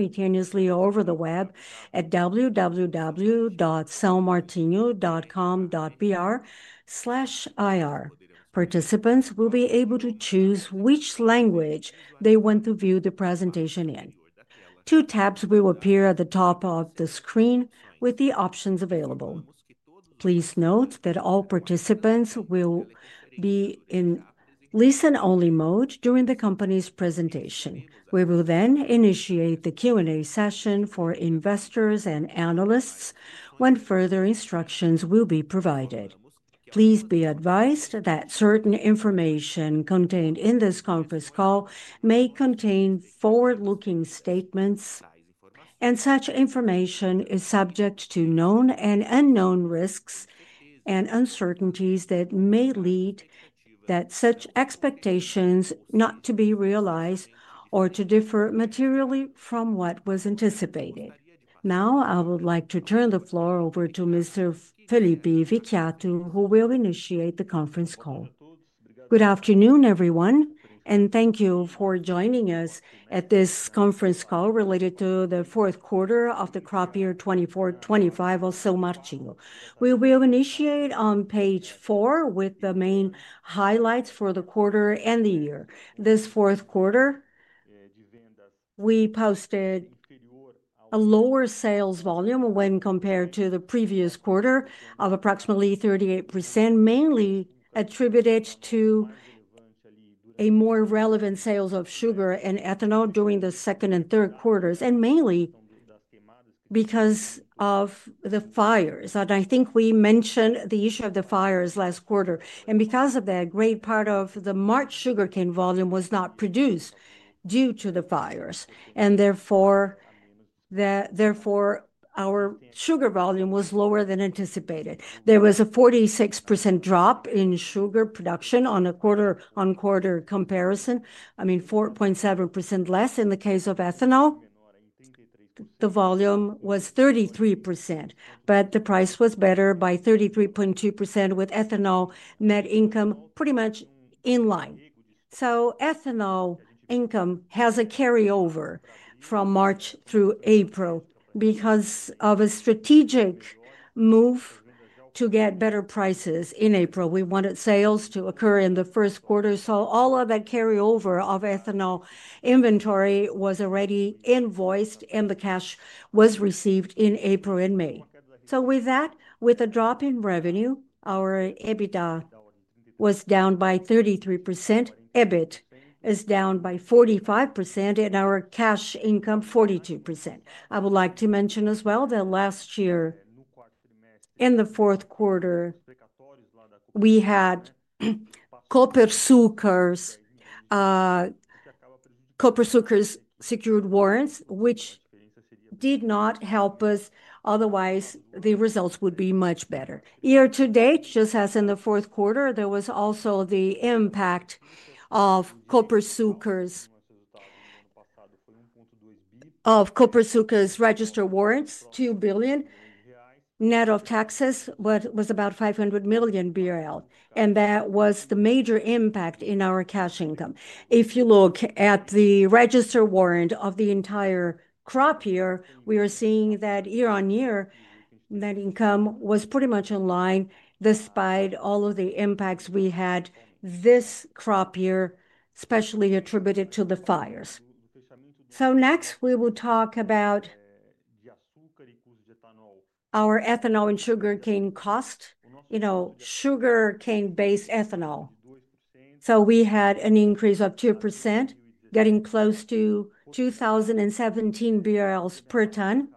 Simultaneously over the web at www.saomartinho.com.br/ir. Participants will be able to choose which language they want to view the presentation in. Two tabs will appear at the top of the screen with the options available. Please note that all participants will be in listen-only mode during the company's presentation. We will then initiate the Q&A session for investors and analysts when further instructions will be provided. Please be advised that certain information contained in this conference call may contain forward-looking statements, and such information is subject to known and unknown risks and uncertainties that may lead to such expectations not to be realized or to differ materially from what was anticipated. Now, I would like to turn the floor over to Mr. Felipe Vicchiato, who will initiate the conference call. Good afternoon, everyone, and thank you for joining us at this conference call related to the fourth quarter of the crop year 2024-2025 of São Martinho. We will initiate on page four with the main highlights for the quarter and the year. This fourth quarter, we posted a lower sales volume when compared to the previous quarter of approximately 38%, mainly attributed to a more relevant sales of sugar and ethanol during the second and third quarters, and mainly because of the fires. I think we mentioned the issue of the fires last quarter, and because of that, a great part of the March sugarcane volume was not produced due to the fires, and therefore our sugar volume was lower than anticipated. There was a 46% drop in sugar production on a quarter-on-quarter comparison, I mean 4.7% less in the case of ethanol. The volume was 33%, but the price was better by 33.2%, with ethanol net income pretty much in line. Ethanol income has a carryover from March through April because of a strategic move to get better prices in April. We wanted sales to occur in the first quarter, so all of that carryover of ethanol inventory was already invoiced, and the cash was received in April and May. With that, with a drop in revenue, our EBITDA was down by 33%, EBIT is down by 45%, and our cash income 42%. I would like to mention as well that last year, in the fourth quarter, we had Copersucar's secured warrants, which did not help us; otherwise, the results would be much better. Year to date, just as in the fourth quarter, there was also the impact of Copersucar's registered warrants, 2 billion net of taxes, but it was about 500 million BRL, and that was the major impact in our cash income. If you look at the registered warrant of the entire crop year, we are seeing that year on year, net income was pretty much in line despite all of the impacts we had this crop year, especially attributed to the fires. Next, we will talk about our ethanol and sugarcane cost, you know, sugarcane-based ethanol. We had an increase of 2%, getting close to 2,017 BRL per ton,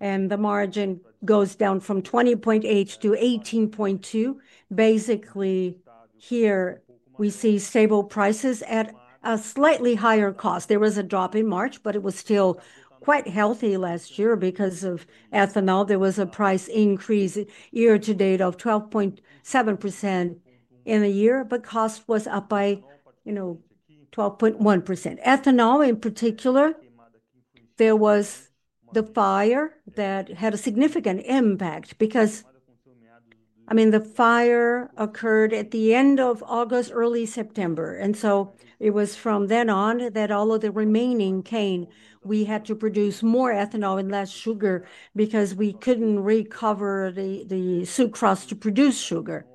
and the margin goes down from 20.8% to 18.2%. Basically, here we see stable prices at a slightly higher cost. There was a drop in March, but it was still quite healthy last year because of ethanol. There was a price increase year to date of 12.7% in a year, but cost was up by, you know, 12.1%. Ethanol, in particular, there was the fire that had a significant impact because, I mean, the fire occurred at the end of August, early September, and it was from then on that all of the remaining cane, we had to produce more ethanol and less sugar because we could not recover the sucrose to produce sugar,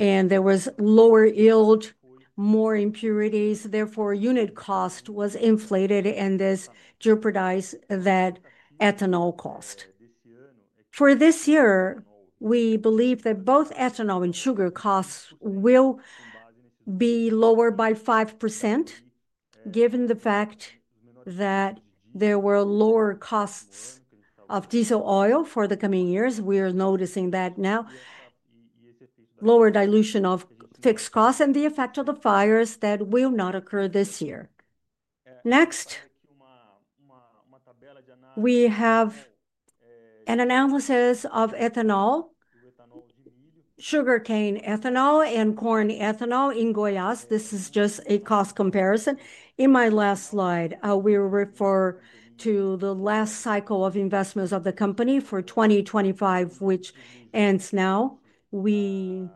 and there was lower yield, more impurities. Therefore, unit cost was inflated, and this jeopardized that ethanol cost. For this year, we believe that both ethanol and sugar costs will be lower by 5%, given the fact that there were lower costs of diesel oil for the coming years. We are noticing that now, lower dilution of fixed costs and the effect of the fires that will not occur this year. Next, we have an analysis of ethanol, sugarcane ethanol, and corn ethanol in Goiás. This is just a cost comparison. In my last slide, we refer to the last cycle of investments of the company for 2025, which ends now. We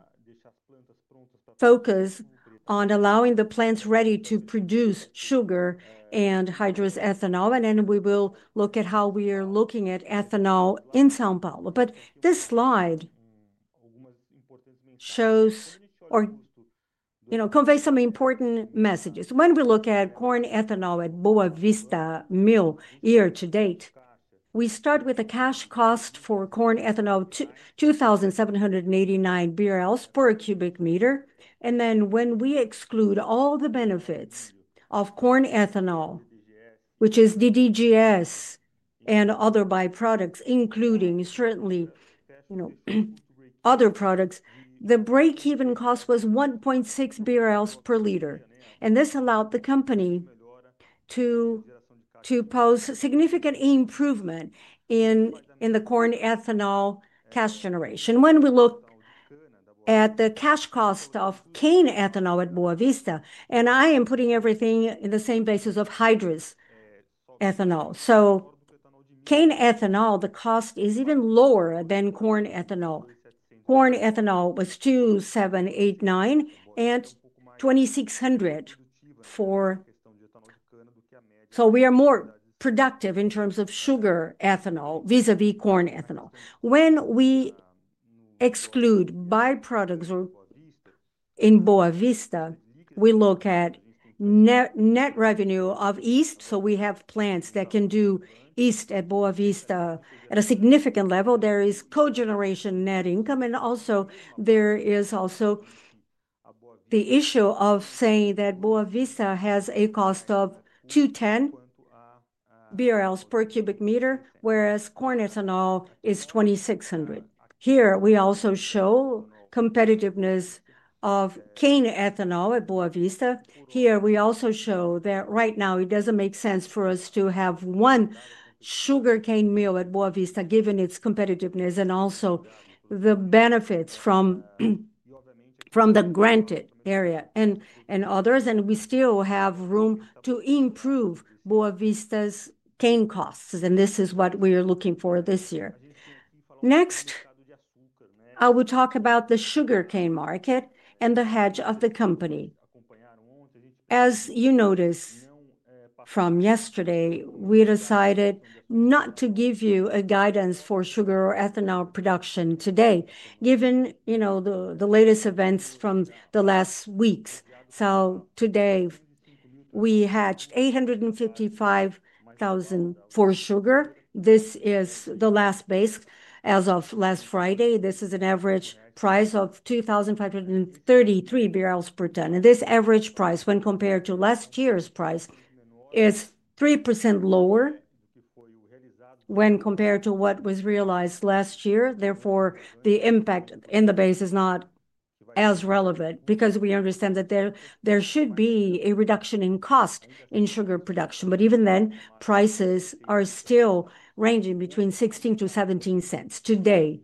focus on allowing the plants ready to produce sugar and hydrous ethanol, and we will look at how we are looking at ethanol in São Paulo. This slide shows, you know, conveys some important messages. When we look at corn ethanol at Boa Vista Mill year to date, we start with the cash cost for corn ethanol, 2,789 BRL per cubic meter, and then when we exclude all the benefits of corn ethanol, which is DDGS and other byproducts, including certainly, you know, other products, the break-even cost was 1.6 BRL per liter, and this allowed the company to post significant improvement in the corn ethanol cash generation. When we look at the cash cost of cane ethanol at Boa Vista, and I am putting everything in the same basis of hydrous ethanol, so cane ethanol, the cost is even lower than corn ethanol. Corn ethanol was 2,789 and 2,600 for, so we are more productive in terms of sugar ethanol vis-à-vis corn ethanol. When we exclude byproducts in Boa Vista, we look at net revenue of yeast, so we have plants that can do yeast at Boa Vista at a significant level. There is co-generation net income, and also there is also the issue of saying that Boa Vista has a cost of 210 BRL per cubic meter, whereas corn ethanol is 2,600. Here we also show competitiveness of cane ethanol at Boa Vista. Here we also show that right now it does not make sense for us to have one sugarcane mill at Boa Vista, given its competitiveness and also the benefits from the granted area and others, and we still have room to improve Boa Vista's cane costs, and this is what we are looking for this year. Next, I will talk about the sugarcane market and the hedge of the company. As you noticed from yesterday, we decided not to give you a guidance for sugar or ethanol production today, given, you know, the latest events from the last weeks. Today we hedged 855,000 for sugar. This is the last base as of last Friday. This is an average price of 2,533 per ton, and this average price when compared to last year's price is 3% lower when compared to what was realized last year. Therefore, the impact in the base is not as relevant because we understand that there should be a reduction in cost in sugar production, but even then prices are still ranging between 16-17 cents today.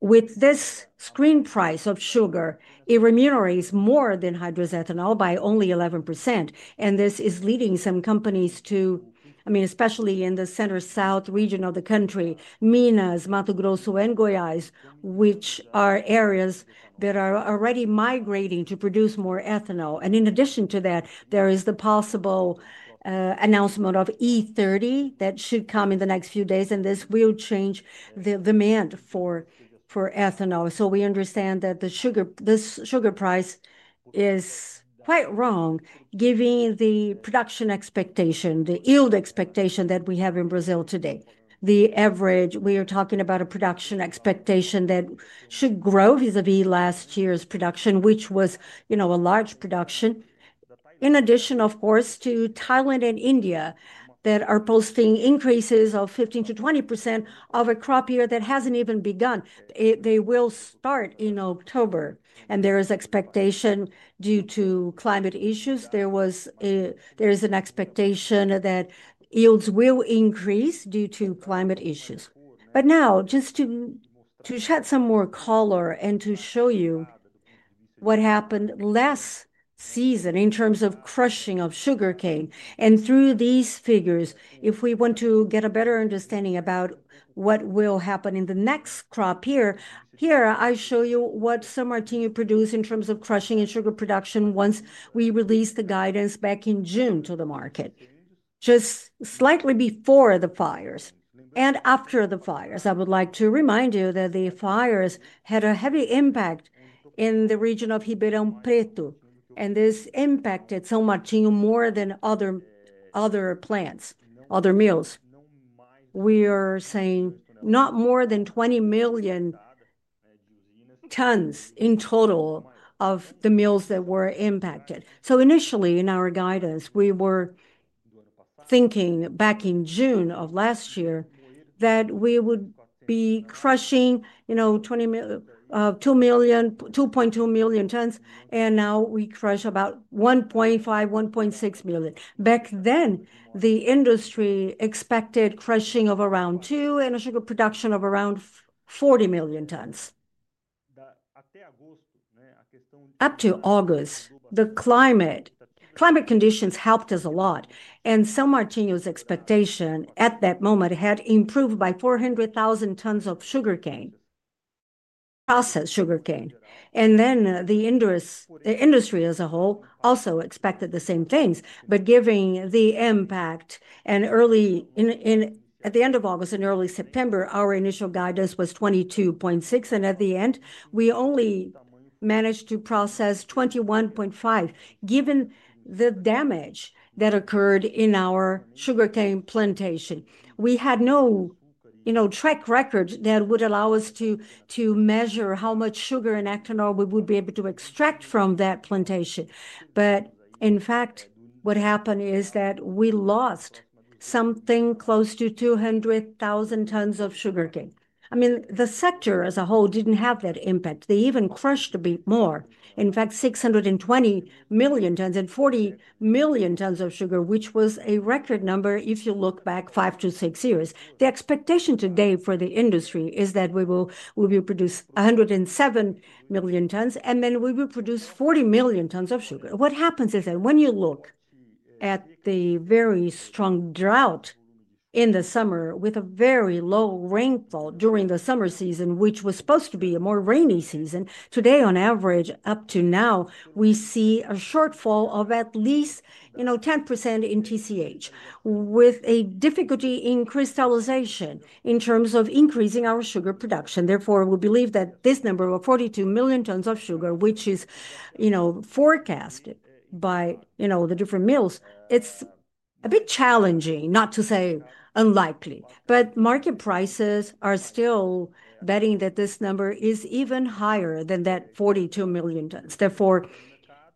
With this screen price of sugar, it remunerates more than hydrous ethanol by only 11%, and this is leading some companies to, I mean, especially in the Center-South region of the country, Minas, Mato Grosso, and Goiás, which are areas that are already migrating to produce more ethanol. In addition to that, there is the possible announcement of E30 that should come in the next few days, and this will change the demand for ethanol. We understand that this sugar price is quite wrong, giving the production expectation, the yield expectation that we have in Brazil today. The average, we are talking about a production expectation that should grow vis-à-vis last year's production, which was, you know, a large production, in addition, of course, to Thailand and India that are posting increases of 15%-20% of a crop year that has not even begun. They will start in October, and there is expectation due to climate issues. There is an expectation that yields will increase due to climate issues. Now, just to shed some more color and to show you what happened last season in terms of crushing of sugarcane, and through these figures, if we want to get a better understanding about what will happen in the next crop year, here I show you what São Martinho produced in terms of crushing and sugar production once we released the guidance back in June to the market, just slightly before the fires and after the fires. I would like to remind you that the fires had a heavy impact in the region of Ribeirão Preto, and this impacted São Martinho more than other plants, other mills. We are saying not more than 20 million tons in total of the mills that were impacted. Initially, in our guidance, we were thinking back in June of last year that we would be crushing, you know, 2.2 million tons, and now we crush about 1.5, 1.6 million. Back then, the industry expected crushing of around 2 and a sugar production of around 40 million tons. Up to August, the climate conditions helped us a lot, and São Martinho's expectation at that moment had improved by 400,000 tons of sugarcane, processed sugarcane. The industry as a whole also expected the same things, but given the impact at the end of August and early September, our initial guidance was 22.6, and at the end, we only managed to process 21.5, given the damage that occurred in our sugarcane plantation. We had no, you know, track record that would allow us to measure how much sugar and ethanol we would be able to extract from that plantation. In fact, what happened is that we lost something close to 200,000 tons of sugarcane. I mean, the sector as a whole did not have that impact. They even crushed a bit more, in fact, 620 million tons and 40 million tons of sugar, which was a record number if you look back five to six years. The expectation today for the industry is that we will produce 107 million tons, and then we will produce 40 million tons of sugar. What happens is that when you look at the very strong drought in the summer with a very low rainfall during the summer season, which was supposed to be a more rainy season, today on average, up to now, we see a shortfall of at least, you know, 10% in TCH, with a difficulty in crystallization in terms of increasing our sugar production. Therefore, we believe that this number of 42 million tons of sugar, which is, you know, forecast by, you know, the different mills, it's a bit challenging, not to say unlikely, but market prices are still betting that this number is even higher than that 42 million tons. Therefore,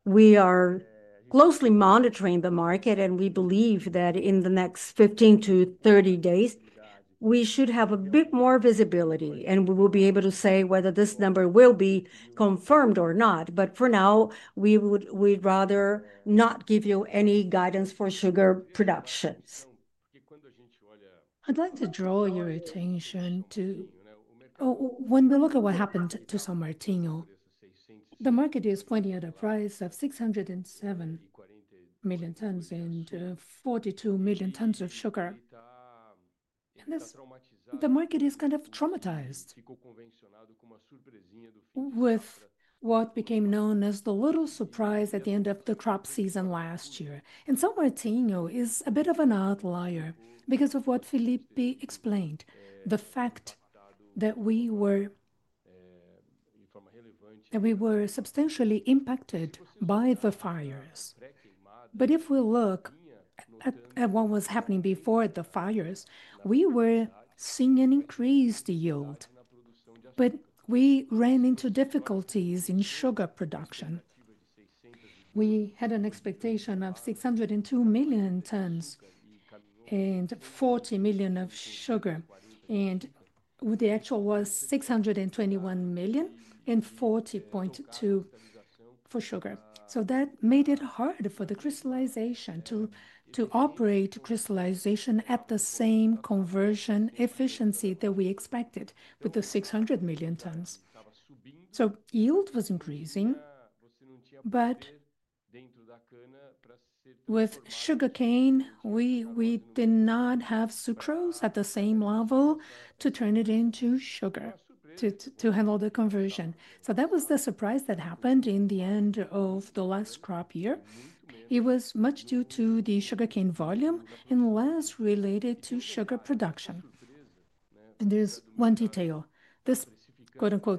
we are closely monitoring the market, and we believe that in the next 15-30 days, we should have a bit more visibility, and we will be able to say whether this number will be confirmed or not. For now, we would rather not give you any guidance for sugar productions. I would like to draw your attention to, when we look at what happened to São Martinho, the market is pointing at a price of 607 million tons and 42 million tons of sugar, and the market is kind of traumatized with what became known as the little surprise at the end of the crop season last year. São Martinho is a bit of an outlier because of what Felipe explained, the fact that we were substantially impacted by the fires. If we look at what was happening before the fires, we were seeing an increased yield, but we ran into difficulties in sugar production. We had an expectation of 602 million tons and 40 million of sugar, and the actual was 621 million and 40.2 for sugar. That made it hard for the crystallization to operate crystallization at the same conversion efficiency that we expected with the 600 million tons. Yield was increasing, but with sugarcane, we did not have sucrose at the same level to turn it into sugar to handle the conversion. That was the surprise that happened in the end of the last crop year. It was much due to the sugarcane volume and less related to sugar production. There is one detail. This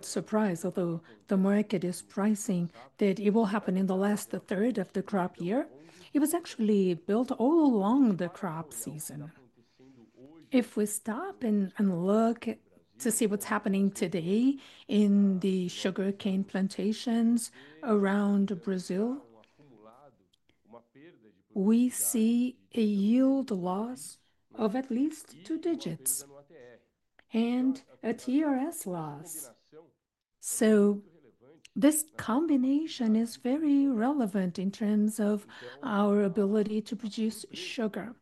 "surprise," although the market is pricing that it will happen in the last third of the crop year, it was actually built all along the crop season. If we stop and look to see what's happening today in the sugarcane plantations around Brazil, we see a yield loss of at least two digits and a TRS loss. This combination is very relevant in terms of our ability to produce sugar.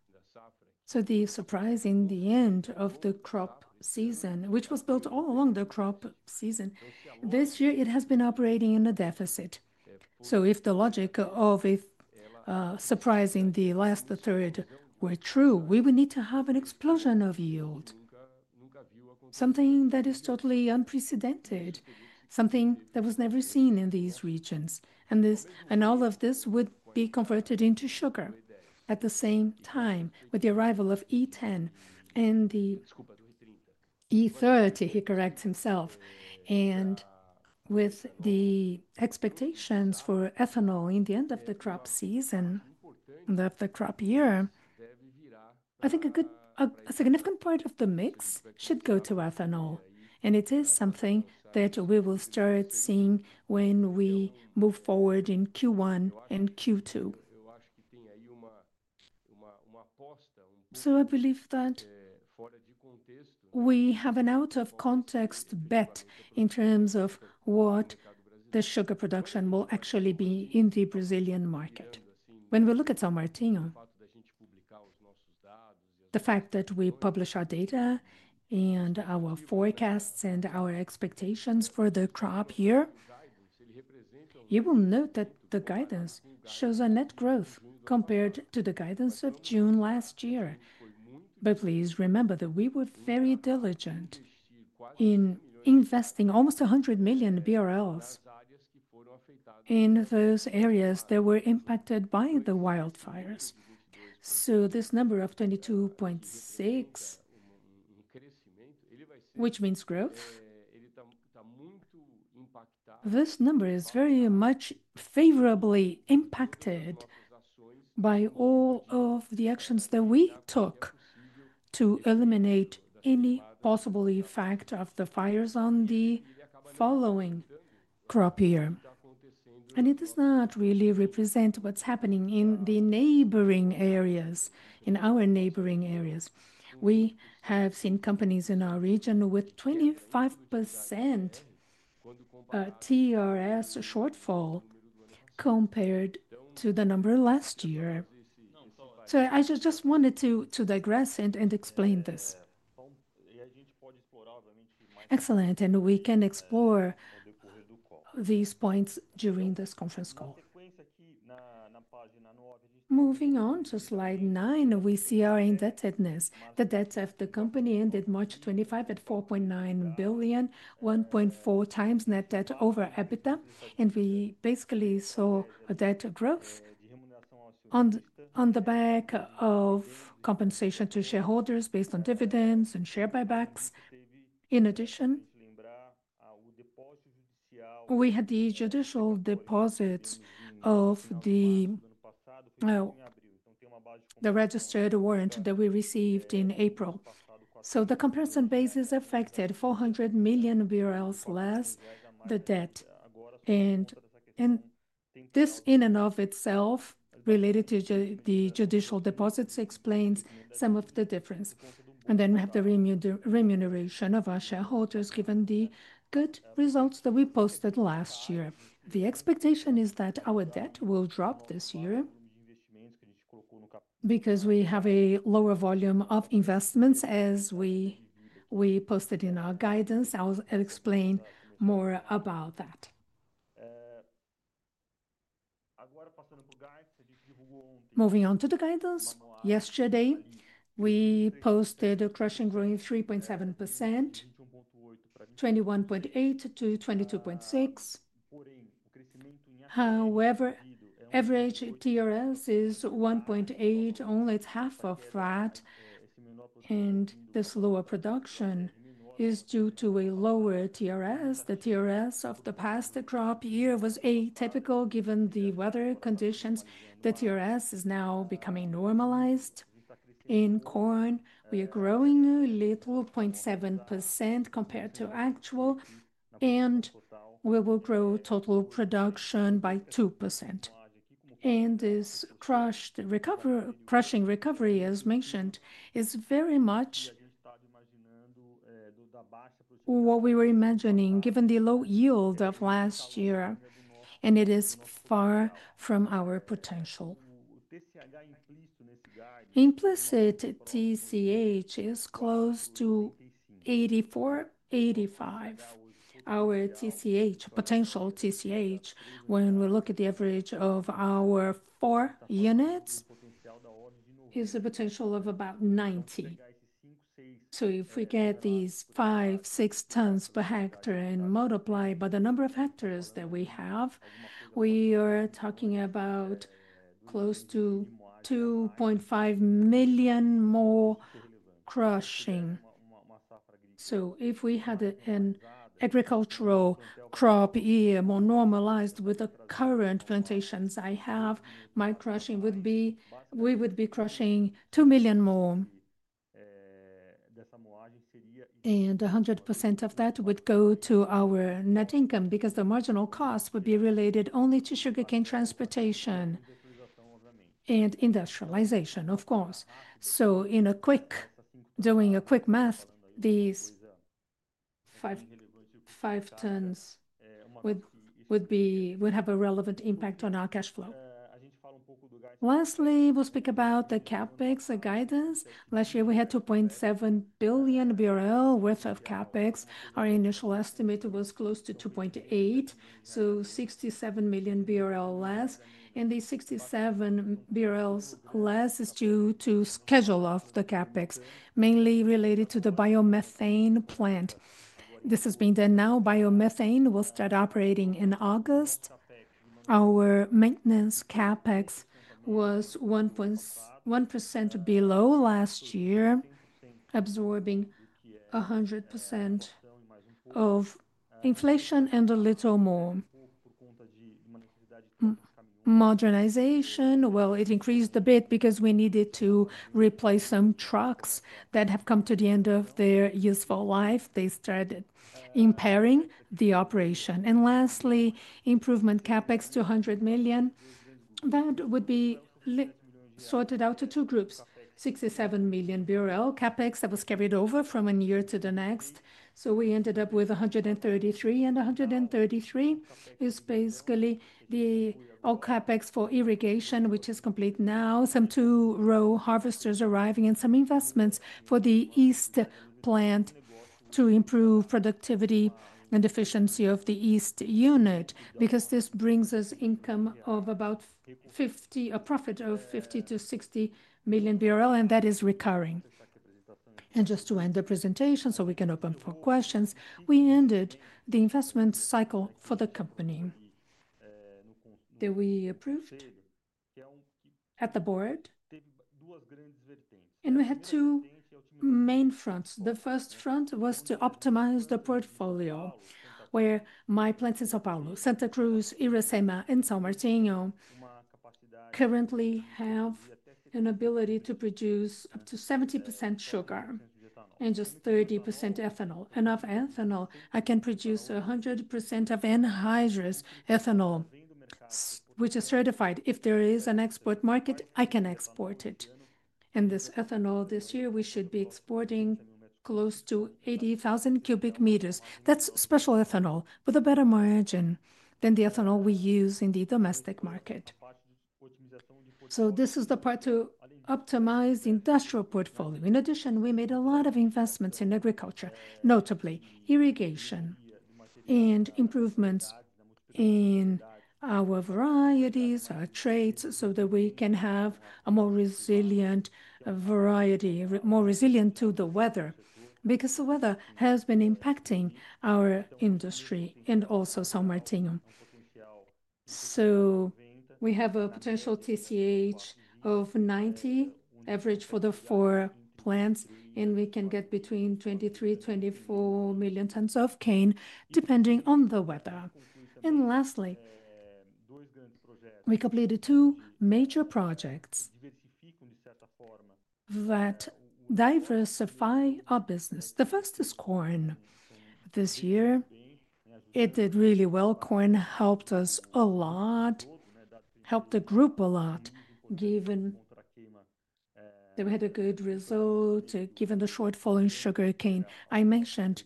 The surprise in the end of the crop season, which was built all along the crop season, this year it has been operating in a deficit. If the logic of surprising the last third were true, we would need to have an explosion of yield, something that is totally unprecedented, something that was never seen in these regions. All of this would be converted into sugar at the same time with the arrival of E10 and the E30, he corrects himself. With the expectations for ethanol in the end of the crop season, of the crop year, I think a significant part of the mix should go to ethanol, and it is something that we will start seeing when we move forward in Q1 and Q2. I believe that we have an out-of-context bet in terms of what the sugar production will actually be in the Brazilian market. When we look at São Martinho, the fact that we publish our data and our forecasts and our expectations for the crop year, you will note that the guidance shows a net growth compared to the guidance of June last year. Please remember that we were very diligent in investing almost 100 million BRL in those areas that were impacted by the wildfires. This number of 22.6, which means growth, is very much favorably impacted by all of the actions that we took to eliminate any possible effect of the fires on the following crop year. It does not really represent what is happening in our neighboring areas. We have seen companies in our region with a 25% TRS shortfall compared to the number last year. I just wanted to digress and explain this. Excellent, and we can explore these points during this conference call. Moving on to slide 9, we see our indebtedness. The debt of the company ended March 25 at 4.9 billion, 1.4 times net debt over EBITDA, and we basically saw a debt growth on the back of compensation to shareholders based on dividends and share buybacks. In addition, we had the judicial deposits of the registered warrant that we received in April. The comparison base is affected, 400 million less the debt. This in and of itself, related to the judicial deposits, explains some of the difference. We have the remuneration of our shareholders given the good results that we posted last year. The expectation is that our debt will drop this year because we have a lower volume of investments, as we posted in our guidance. I'll explain more about that. Moving on to the guidance, yesterday we posted a crushing growth of 3.7%, 21.8-22.6. However, average TRS is 1.8, only half of that, and this lower production is due to a lower TRS. The TRS of the past crop year was atypical given the weather conditions. The TRS is now becoming normalized. In corn, we are growing a little 0.7% compared to actual, and we will grow total production by 2%. This crushing recovery, as mentioned, is very much what we were imagining given the low yield of last year, and it is far from our potential. Implicit TCH is close to 84-85. Our potential TCH, when we look at the average of our four units, is a potential of about 90. If we get these five, six tons per hectare and multiply by the number of hectares that we have, we are talking about close to 2.5 million more crushing. If we had an agricultural crop year more normalized with the current plantations I have, my crushing would be we would be crushing 2 million more. One hundred percent of that would go to our net income because the marginal cost would be related only to sugarcane transportation and industrialization, of course. In a quick, doing a quick math, these five tons would have a relevant impact on our cash flow. Lastly, we'll speak about the CAPEX guidance. Last year, we had 2.7 billion BRL worth of CAPEX. Our initial estimate was close to 2.8 billion, so 67 million BRL less. The 67 million BRL less is due to schedule of the CAPEX, mainly related to the biomethane plant. This is being done now. Biomethane will start operating in August. Our maintenance CAPEX was 1% below last year, absorbing 100% of inflation and a little more. Modernization, it increased a bit because we needed to replace some trucks that have come to the end of their useful life. They started impairing the operation. Lastly, improvement CAPEX, 200 million. That would be sorted out to two groups: 67 million BRL CAPEX that was carried over from one year to the next. We ended up with 133 million, and 133 million is basically the all CAPEX for irrigation, which is complete now, some two-row harvesters arriving, and some investments for the east plant to improve productivity and efficiency of the east unit because this brings us income of about 50 million, a profit of 50-60 million, and that is recurring. Just to end the presentation so we can open for questions, we ended the investment cycle for the company that we approved at the board. We had two main fronts. The first front was to optimize the portfolio where my plants, in São Paulo, Santa Cruz, Iracema, and São Martinho currently have an ability to produce up to 70% sugar and just 30% ethanol. Of ethanol, I can produce 100% of anhydrous ethanol, which is certified. If there is an export market, I can export it. This ethanol this year, we should be exporting close to 80,000 cubic meters. That is special ethanol with a better margin than the ethanol we use in the domestic market. This is the part to optimize the industrial portfolio. In addition, we made a lot of investments in agriculture, notably irrigation and improvements in our varieties, our traits, so that we can have a more resilient variety, more resilient to the weather because the weather has been impacting our industry and also São Martinho. We have a potential TCH of 90 average for the four plants, and we can get between 23-24 million tons of cane depending on the weather. Lastly, we completed two major projects that diversify our business. The first is corn. This year, it did really well. Corn helped us a lot, helped the group a lot, given that we had a good result given the shortfall in sugarcane. I mentioned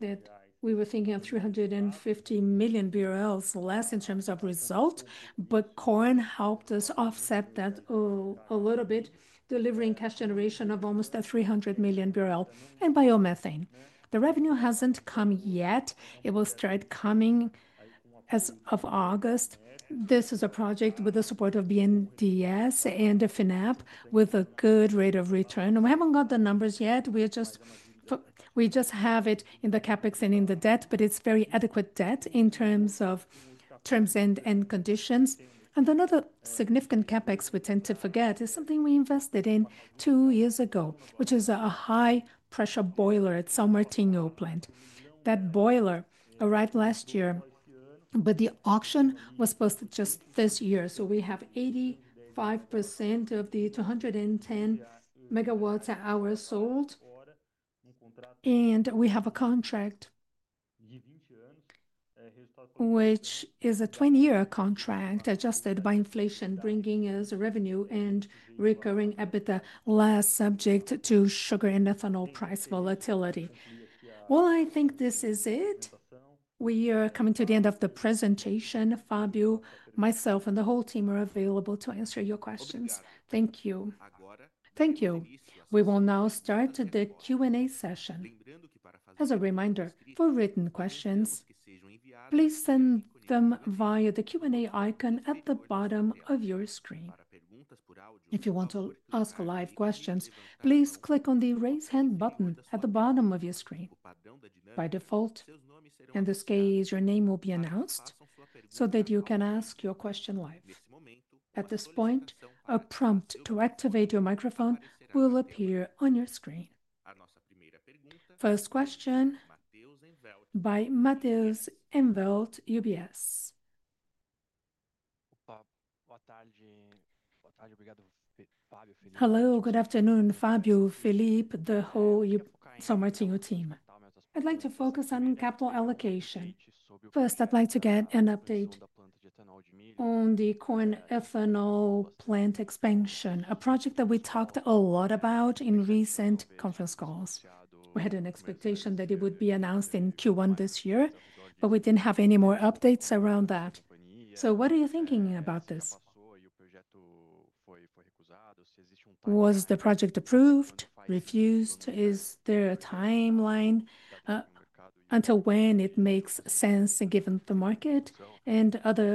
that we were thinking of 350 million BRL less in terms of result, but corn helped us offset that a little bit, delivering cash generation of almost 300 million and biomethane. The revenue has not come yet. It will start coming as of August. This is a project with the support of BNDES and FINEP with a good rate of return. We have not got the numbers yet. We just have it in the CAPEX and in the debt, but it is very adequate debt in terms of terms and conditions. Another significant CAPEX we tend to forget is something we invested in two years ago, which is a high-pressure boiler at São Martinho plant. That boiler arrived last year, but the auction was posted just this year. We have 85% of the 210 MWh hours sold, and we have a contract, which is a 20-year contract adjusted by inflation, bringing us revenue and recurring EBITDA less subject to sugar and ethanol price volatility. I think this is it. We are coming to the end of the presentation. Fábio, myself, and the whole team are available to answer your questions. Thank you. Thank you. We will now start the Q&A session. As a reminder, for written questions, please send them via the Q&A icon at the bottom of your screen. If you want to ask live questions, please click on the raise hand button at the bottom of your screen. By default, in this case, your name will be announced so that you can ask your question live. At this point, a prompt to activate your microphone will appear on your screen. First question by Mateus Envelt, UBS. Hello, good afternoon, Fábio, Felipe, the whole São Martinho team. I'd like to focus on capital allocation. First, I'd like to get an update on the corn ethanol plant expansion, a project that we talked a lot about in recent conference calls. We had an expectation that it would be announced in Q1 this year, but we did not have any more updates around that. What are you thinking about this? Was the project approved, refused? Is there a timeline until when it makes sense given the market and other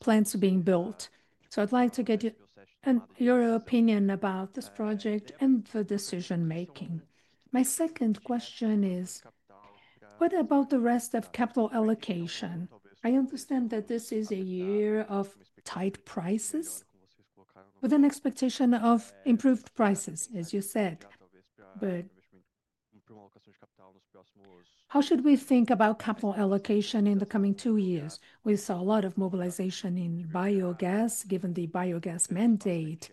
plants being built? I would like to get your opinion about this project and the decision-making. My second question is, what about the rest of capital allocation? I understand that this is a year of tight prices with an expectation of improved prices, as you said. How should we think about capital allocation in the coming two years? We saw a lot of mobilization in biogas, given the biogas mandate,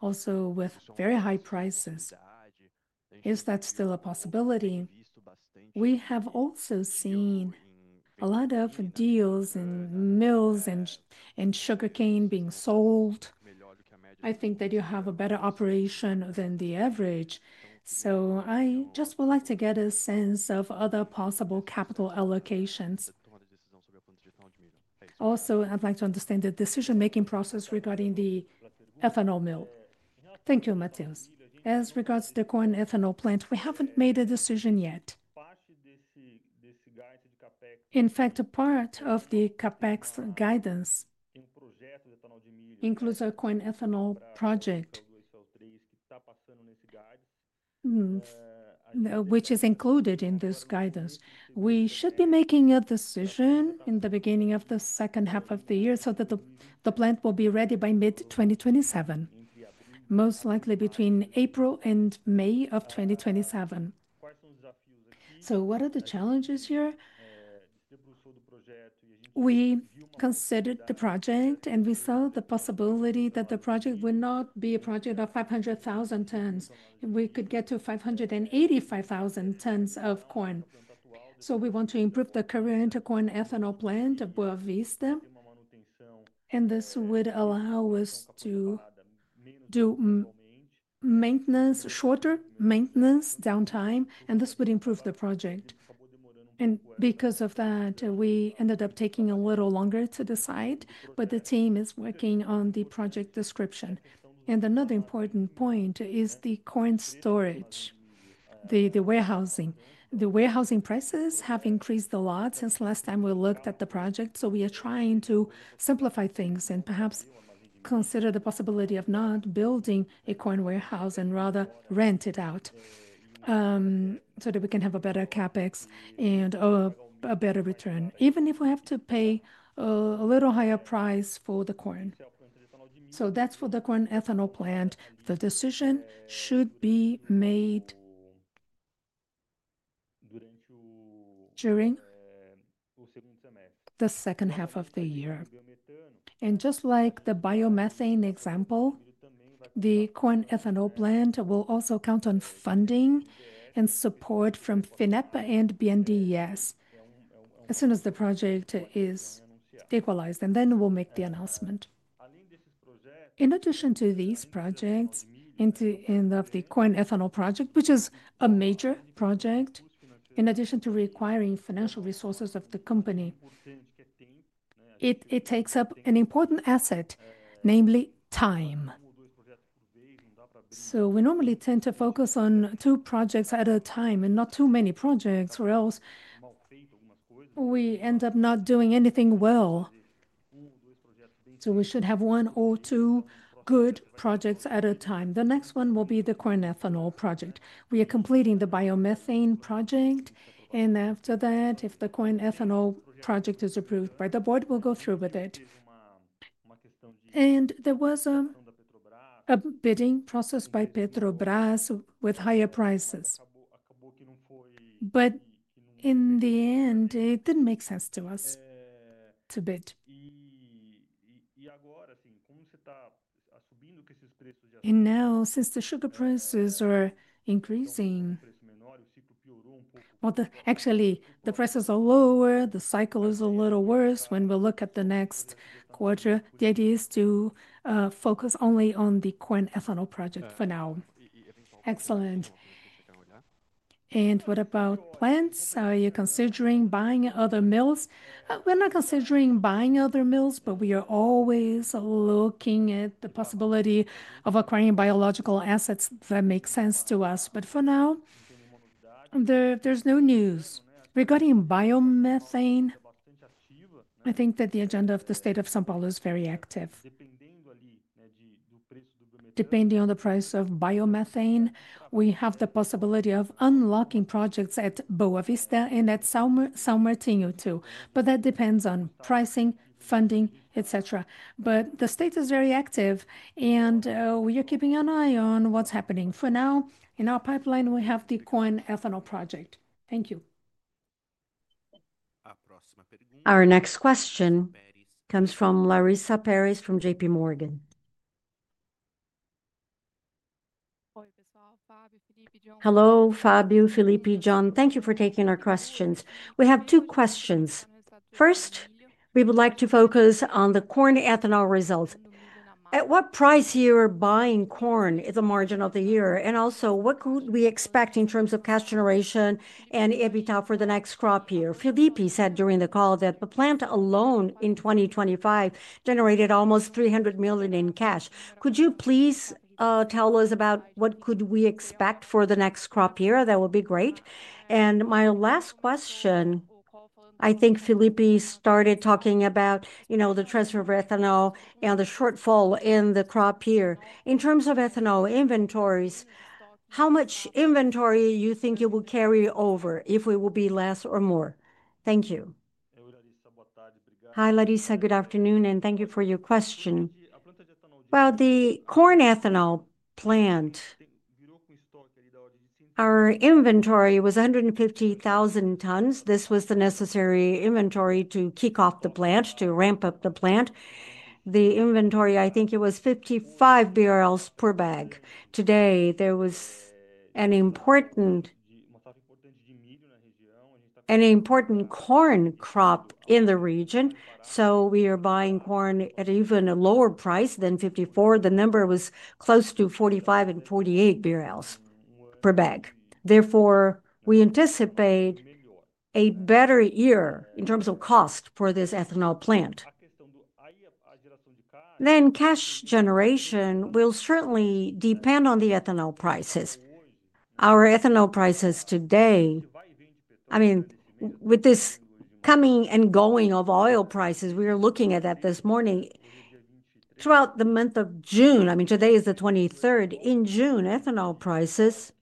also with very high prices. Is that still a possibility? We have also seen a lot of deals in mills and sugarcane being sold. I think that you have a better operation than the average. I just would like to get a sense of other possible capital allocations. Also, I'd like to understand the decision-making process regarding the ethanol mill. Thank you, Mateus. As regards to the corn ethanol plant, we haven't made a decision yet. In fact, a part of the CAPEX guidance includes a corn ethanol project which is included in this guidance. We should be making a decision in the beginning of the second half of the year so that the plant will be ready by mid-2027, most likely between April and May of 2027. What are the challenges here? We considered the project, and we saw the possibility that the project would not be a project of 500,000 tons. We could get to 585,000 tons of corn. We want to improve the career into corn ethanol plant of Boa Vista, and this would allow us to do maintenance, shorter maintenance downtime, and this would improve the project. Because of that, we ended up taking a little longer to decide, but the team is working on the project description. Another important point is the corn storage, the warehousing. The warehousing prices have increased a lot since last time we looked at the project. We are trying to simplify things and perhaps consider the possibility of not building a corn warehouse and rather rent it out so that we can have a better CapEx and a better return, even if we have to pay a little higher price for the corn. That is for the corn ethanol plant. The decision should be made during the second half of the year. Just like the biomethane example, the corn ethanol plant will also count on funding and support from FINEP and BNDES as soon as the project is equalized, and then we will make the announcement. In addition to these projects, in the end of the corn ethanol project, which is a major project, in addition to requiring financial resources of the company, it takes up an important asset, namely time. We normally tend to focus on two projects at a time and not too many projects, or else we end up not doing anything well. We should have one or two good projects at a time. The next one will be the corn ethanol project. We are completing the biomethane project, and after that, if the corn ethanol project is approved by the board, we'll go through with it. There was a bidding process by Petrobras with higher prices, but in the end, it didn't make sense to us to bid. Now, since the sugar prices are increasing, actually, the prices are lower, the cycle is a little worse. When we look at the next quarter, the idea is to focus only on the corn ethanol project for now. Excellent. And what about plants? Are you considering buying other mills? We are not considering buying other mills, but we are always looking at the possibility of acquiring biological assets that make sense to us. For now, there is no news. Regarding biomethane, I think that the agenda of the state of São Paulo is very active. Depending on the price of biomethane, we have the possibility of unlocking projects at Boa Vista and at São Martinho too, but that depends on pricing, funding, etc. The state is very active, and we are keeping an eye on what is happening. For now, in our pipeline, we have the corn ethanol project. Thank you. Our next question comes from Larissa Perez from JP Morgan. Hello, Fábio Felipe John. Thank you for taking our questions. We have two questions. First, we would like to focus on the corn ethanol result. At what price are you buying corn at the margin of the year? Also, what could we expect in terms of cash generation and EBITDA for the next crop year? Felipe said during the call that the plant alone in 2025 generated almost 300 million in cash. Could you please tell us about what could we expect for the next crop year? That would be great. My last question, I think Felipe started talking about the transfer of ethanol and the shortfall in the crop year. In terms of ethanol inventories, how much inventory do you think you will carry over, if it will be less or more? Thank you. Hi, Larissa, good afternoon, and thank you for your question. The corn ethanol plant, our inventory was 150,000 tons. This was the necessary inventory to kick off the plant, to ramp up the plant. The inventory, I think it was 55 per bag. Today, there was an important corn crop in the region, so we are buying corn at even a lower price than 54. The number was close to 45-48 per bag. Therefore, we anticipate a better year in terms of cost for this ethanol plant. Cash generation will certainly depend on the ethanol prices. Our ethanol prices today, I mean, with this coming and going of oil prices, we are looking at that this morning throughout the month of June. I mean, today is the 23rd. In June, ethanol prices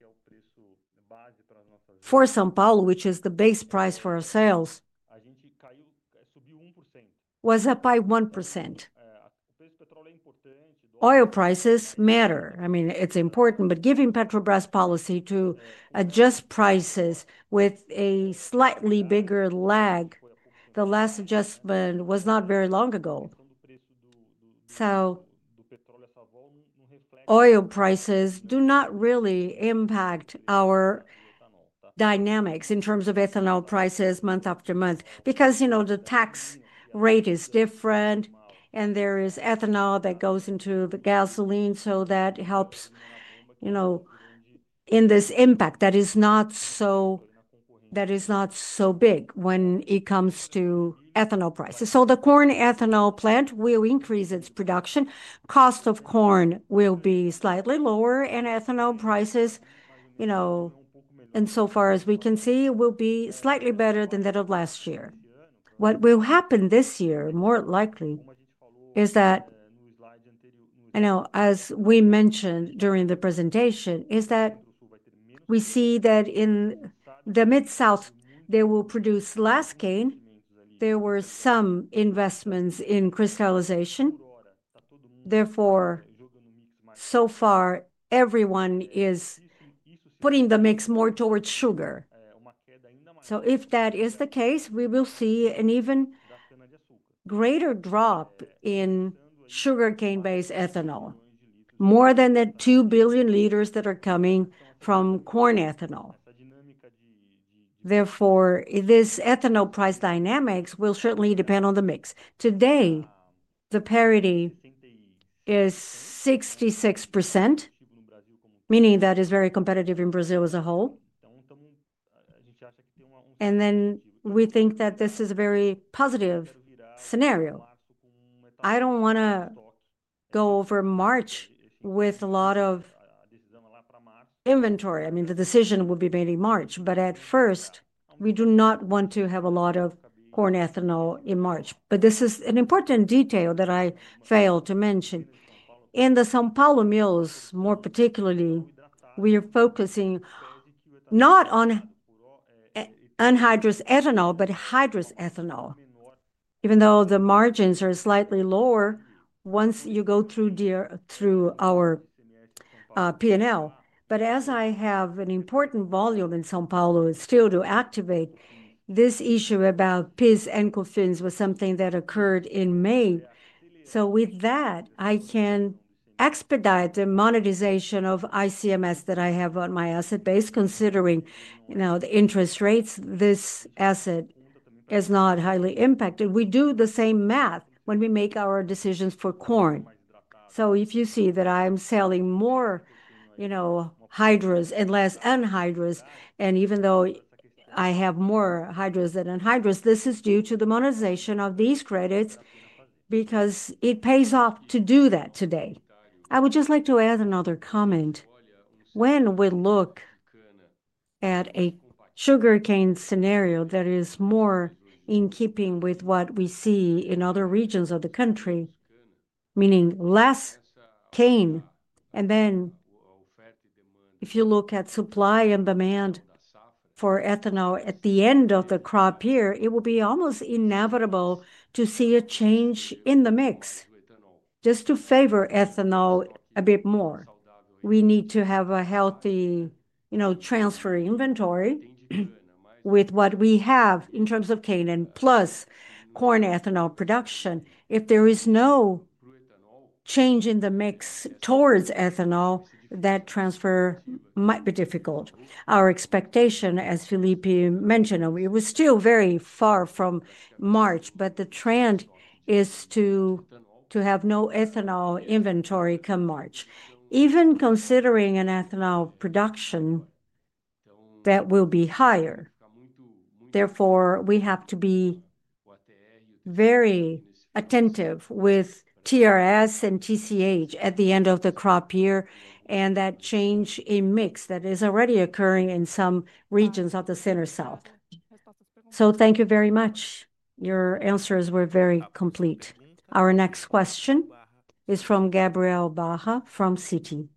for São Paulo, which is the base price for our sales, was up by 1%. Oil prices matter. I mean, it's important, but given Petrobras policy to adjust prices with a slightly bigger lag, the last adjustment was not very long ago. Oil prices do not really impact our dynamics in terms of ethanol prices month after month because the tax rate is different and there is ethanol that goes into the gasoline, so that helps in this impact that is not so big when it comes to ethanol prices. The corn ethanol plant will increase its production. Cost of corn will be slightly lower and ethanol prices, insofar as we can see, will be slightly better than that of last year. What will happen this year, more likely, is that, as we mentioned during the presentation, we see that in the Center-South, they will produce less cane. There were some investments in crystallization. Therefore, so far, everyone is putting the mix more towards sugar. If that is the case, we will see an even greater drop in sugarcane-based ethanol, more than the 2 billion liters that are coming from corn ethanol. Therefore, this ethanol price dynamics will certainly depend on the mix. Today, the parity is 66%, meaning that is very competitive in Brazil as a whole. We think that this is a very positive scenario. I do not want to go over March with a lot of inventory. I mean, the decision will be made in March, but at first, we do not want to have a lot of corn ethanol in March. This is an important detail that I failed to mention. In the São Paulo mills, more particularly, we are focusing not on anhydrous ethanol, but hydrous ethanol, even though the margins are slightly lower once you go through our P&L. As I have an important volume in São Paulo still to activate, this issue about PIS and COFINS was something that occurred in May. With that, I can expedite the monetization of ICMS that I have on my asset base, considering the interest rates. This asset is not highly impacted. We do the same math when we make our decisions for corn. If you see that I am selling more hydrous and less anhydrous, and even though I have more hydrous than anhydrous, this is due to the monetization of these credits because it pays off to do that today. I would just like to add another comment. When we look at a sugarcane scenario that is more in keeping with what we see in other regions of the country, meaning less cane, and then if you look at supply and demand for ethanol at the end of the crop year, it will be almost inevitable to see a change in the mix. Just to favor ethanol a bit more, we need to have a healthy transfer inventory with what we have in terms of cane and plus corn ethanol production. If there is no change in the mix towards ethanol, that transfer might be difficult. Our expectation, as Felipe mentioned, it was still very far from March, but the trend is to have no ethanol inventory come March, even considering an ethanol production that will be higher. Therefore, we have to be very attentive with TRS and TCH at the end of the crop year and that change in mix that is already occurring in some regions of the Center-South. Thank you very much. Your answers were very complete. Our next question is from Gabriel Barra from City.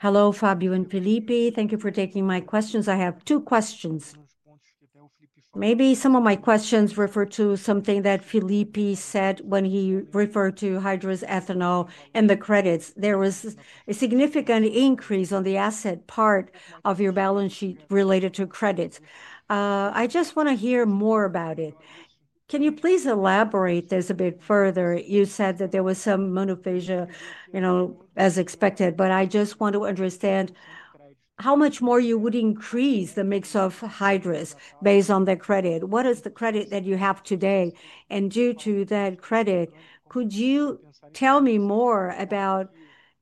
Hello, Fábio and Felipe. Thank you for taking my questions. I have two questions. Maybe some of my questions refer to something that Felipe said when he referred to hydrous ethanol and the credits. There was a significant increase on the asset part of your balance sheet related to credits. I just want to hear more about it. Can you please elaborate this a bit further? You said that there was some monofásico, as expected, but I just want to understand how much more you would increase the mix of hydrous based on the credit. What is the credit that you have today? Due to that credit, could you tell me more about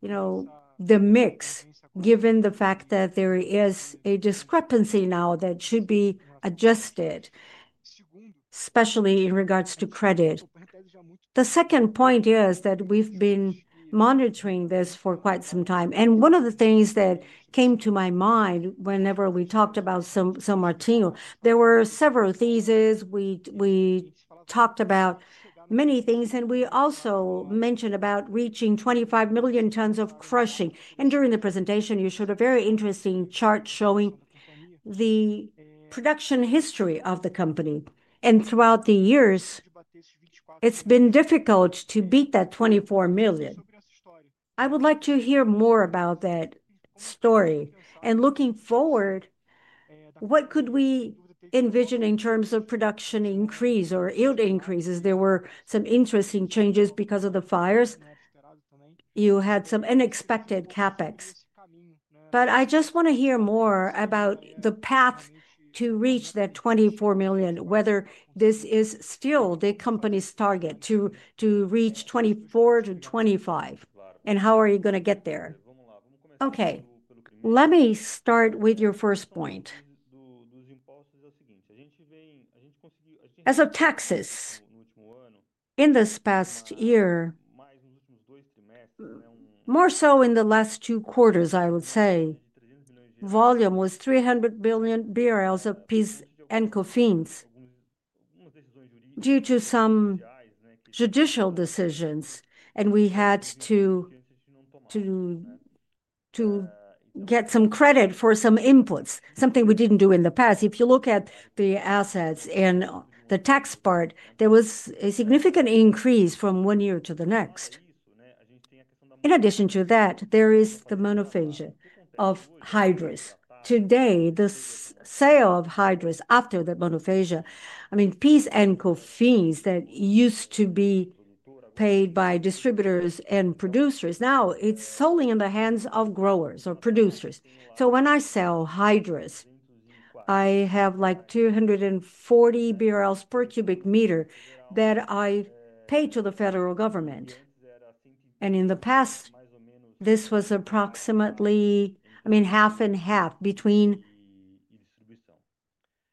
the mix, given the fact that there is a discrepancy now that should be adjusted, especially in regards to credit? The second point is that we have been monitoring this for quite some time. One of the things that came to my mind whenever we talked about São Martinho, there were several theses. We talked about many things, and we also mentioned about reaching 25 million tons of crushing. During the presentation, you showed a very interesting chart showing the production history of the company. Throughout the years, it has been difficult to beat that 24 million. I would like to hear more about that story. Looking forward, what could we envision in terms of production increase or yield increases? There were some interesting changes because of the fires. You had some unexpected CapEx. I just want to hear more about the path to reach that 24 million, whether this is still the company's target to reach 24-25, and how are you going to get there? Okay, let me start with your first point. As of taxes, in this past year, more so in the last two quarters, I would say, volume was 300 million of PIS and COFINS due to some judicial decisions, and we had to get some credit for some inputs, something we did not do in the past. If you look at the assets and the tax part, there was a significant increase from one year to the next. In addition to that, there is the monofásico of hydrous. Today, the sale of hydrous after the monofásico, I mean, PIS and COFINS that used to be paid by distributors and producers, now it's solely in the hands of growers or producers. When I sell hydrous, I have like 240 BRL per cubic meter that I pay to the federal government. In the past, this was approximately, I mean, half and half between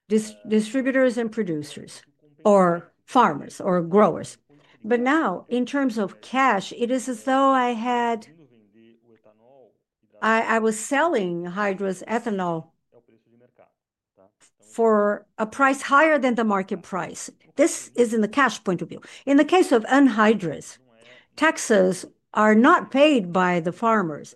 distributors and producers or farmers or growers. Now, in terms of cash, it is as though I was selling hydrous ethanol for a price higher than the market price. This is in the cash point of view. In the case of anhydrous, taxes are not paid by the farmers.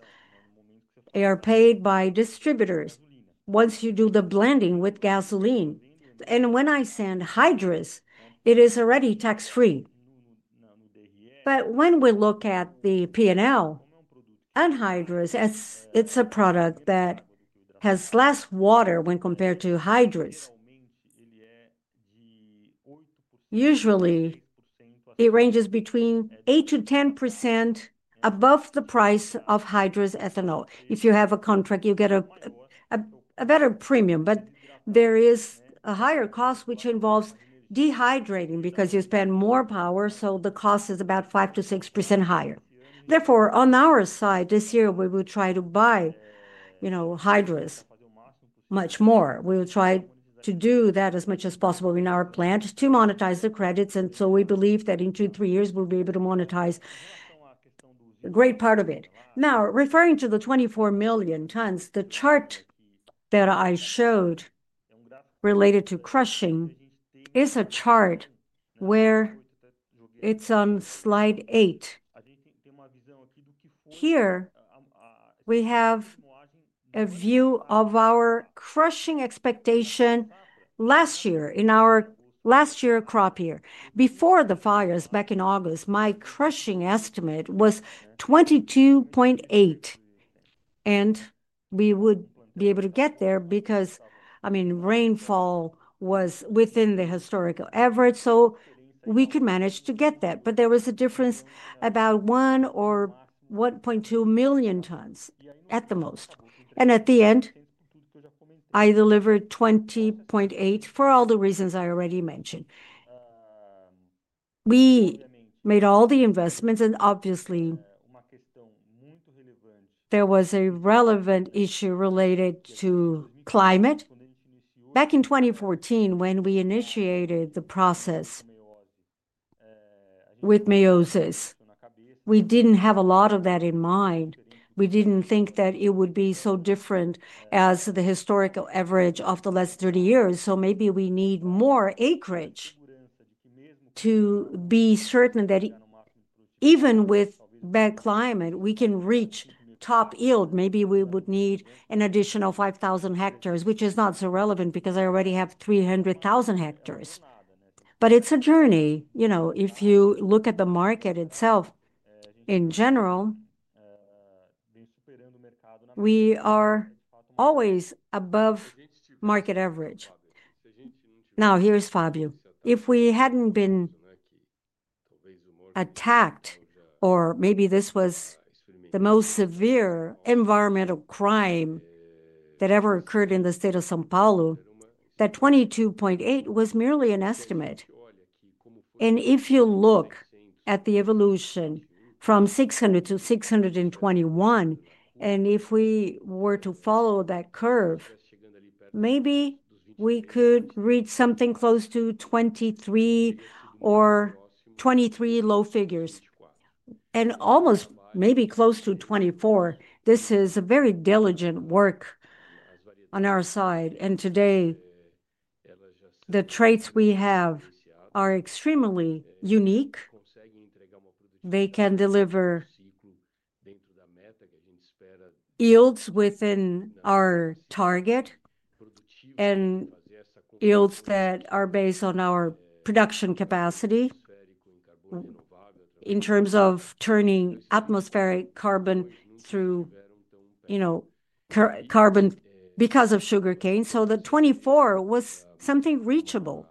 They are paid by distributors once you do the blending with gasoline. When I send hydrous, it is already tax-free. When we look at the P&L, anhydrous, it is a product that has less water when compared to hydrous. Usually, it ranges between 8%-10% above the price of hydrous ethanol. If you have a contract, you get a better premium, but there is a higher cost, which involves dehydrating because you spend more power, so the cost is about 5%-6% higher. Therefore, on our side, this year, we will try to buy hydrous much more. We will try to do that as much as possible in our plant to monetize the credits. We believe that in two, three years, we will be able to monetize a great part of it. Now, referring to the 24 million tons, the chart that I showed related to crushing is a chart where it is on slide 8. Here, we have a view of our crushing expectation last year in our last year crop year. Before the fires back in August, my crushing estimate was 22.8. We would be able to get there because, I mean, rainfall was within the historical average, so we could manage to get that. There was a difference about 1 or 1.2 million tons at the most. At the end, I delivered 20.8 for all the reasons I already mentioned. We made all the investments, and obviously, there was a relevant issue related to climate. Back in 2014, when we initiated the process with Mosaic, we did not have a lot of that in mind. We did not think that it would be so different as the historical average of the last 30 years. Maybe we need more acreage to be certain that even with bad climate, we can reach top yield. Maybe we would need an additional 5,000 hectares, which is not so relevant because I already have 300,000 hectares. It is a journey. If you look at the market itself in general, we are always above market average. Now, here is Fábio. If we had not been attacked, or maybe this was the most severe environmental crime that ever occurred in the state of São Paulo, that 22.8 was merely an estimate. If you look at the evolution from 600 to 621, and if we were to follow that curve, maybe we could reach something close to 23 or 23 low figures, and almost maybe close to 24. This is a very diligent work on our side. Today, the traits we have are extremely unique. They can deliver yields within our target and yields that are based on our production capacity in terms of turning atmospheric carbon through carbon because of sugarcane. The 24 was something reachable.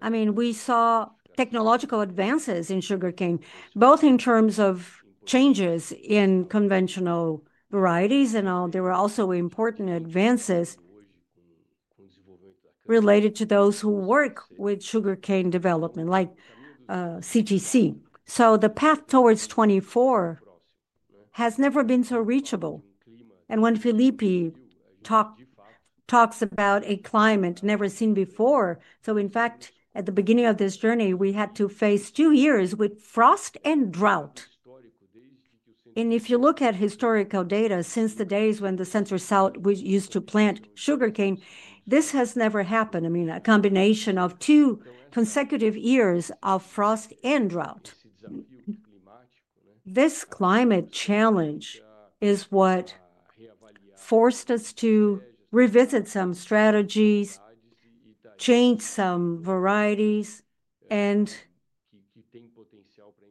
I mean, we saw technological advances in sugarcane, both in terms of changes in conventional varieties and all. There were also important advances related to those who work with sugarcane development, like CTC. The path towards 24 has never been so reachable. When Felipe talks about a climate never seen before, in fact, at the beginning of this journey, we had to face two years with frost and drought. If you look at historical data since the days when the Center-South used to plant sugarcane, this has never happened. I mean, a combination of two consecutive years of frost and drought. This climate challenge is what forced us to revisit some strategies, change some varieties.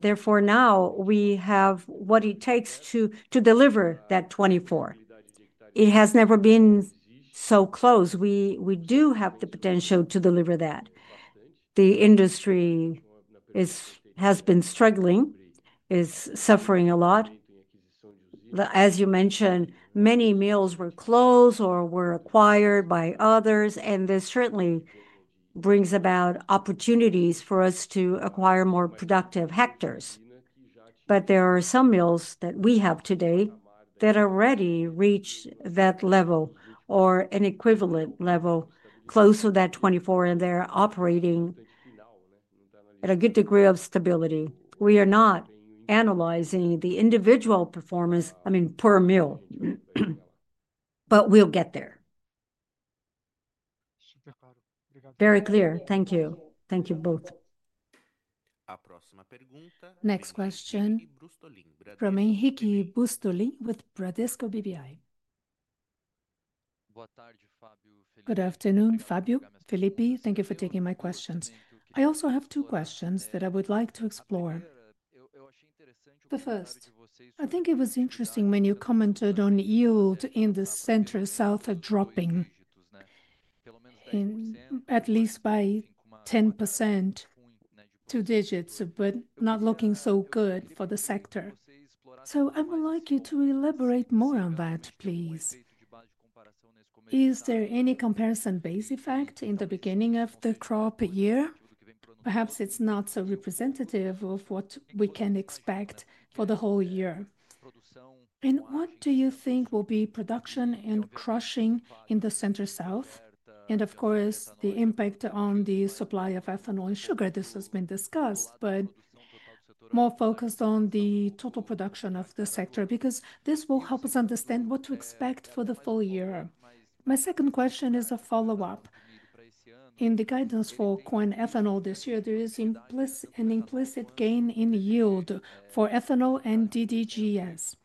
Therefore, now we have what it takes to deliver that 24. It has never been so close. We do have the potential to deliver that. The industry has been struggling, is suffering a lot. As you mentioned, many mills were closed or were acquired by others, and this certainly brings about opportunities for us to acquire more productive hectares. There are some mills that we have today that already reached that level or an equivalent level close to that 24, and they are operating at a good degree of stability. We are not analyzing the individual performance, I mean, per mill, but we will get there. Very clear. Thank you. Thank you both. Next question from Henrique Brustolin with Bradesco BBI. Good afternoon, Fábio. Felipe, thank you for taking my questions. I also have two questions that I would like to explore. The first, I think it was interesting when you commented on yield in the Center-South dropping, at least by 10%, two digits, but not looking so good for the sector. I would like you to elaborate more on that, please. Is there any comparison base effect in the beginning of the crop year? Perhaps it is not so representative of what we can expect for the whole year. What do you think will be production and crushing in the Center-South? Of course, the impact on the supply of ethanol and sugar. This has been discussed, but more focused on the total production of the sector because this will help us understand what to expect for the full year. My second question is a follow-up. In the guidance for corn ethanol this year, there is an implicit gain in yield for ethanol and DDGS,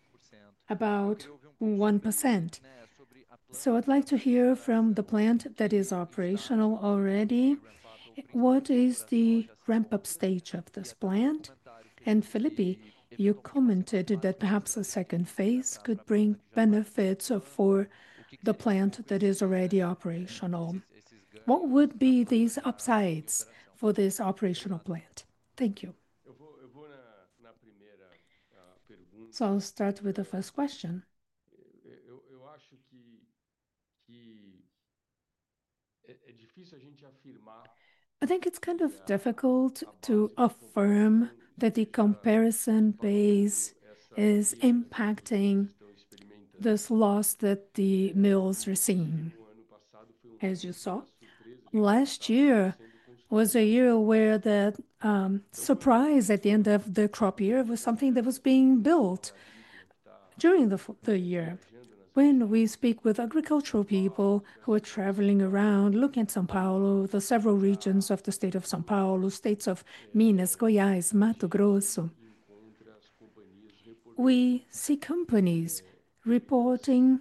about 1%. I would like to hear from the plant that is operational already. What is the ramp-up stage of this plant? Felipe, you commented that perhaps a second phase could bring benefits for the plant that is already operational. What would be these upsides for this operational plant? Thank you. I will start with the first question. I think it is kind of difficult to affirm that the comparison base is impacting this loss that the mills received. As you saw, last year was a year where the surprise at the end of the crop year was something that was being built during the year. When we speak with agricultural people who are traveling around, looking at São Paulo, the several regions of the state of São Paulo, states of Minas, Goiás, Mato Grosso, we see companies reporting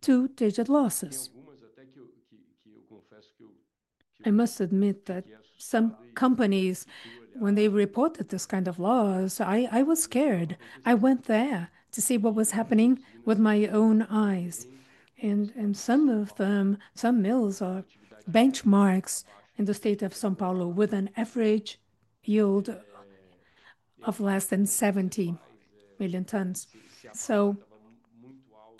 two-digit losses. I must admit that some companies, when they reported this kind of loss, I was scared. I went there to see what was happening with my own eyes. Some of them, some mills are benchmarks in the state of São Paulo with an average yield of less than 70 million tons.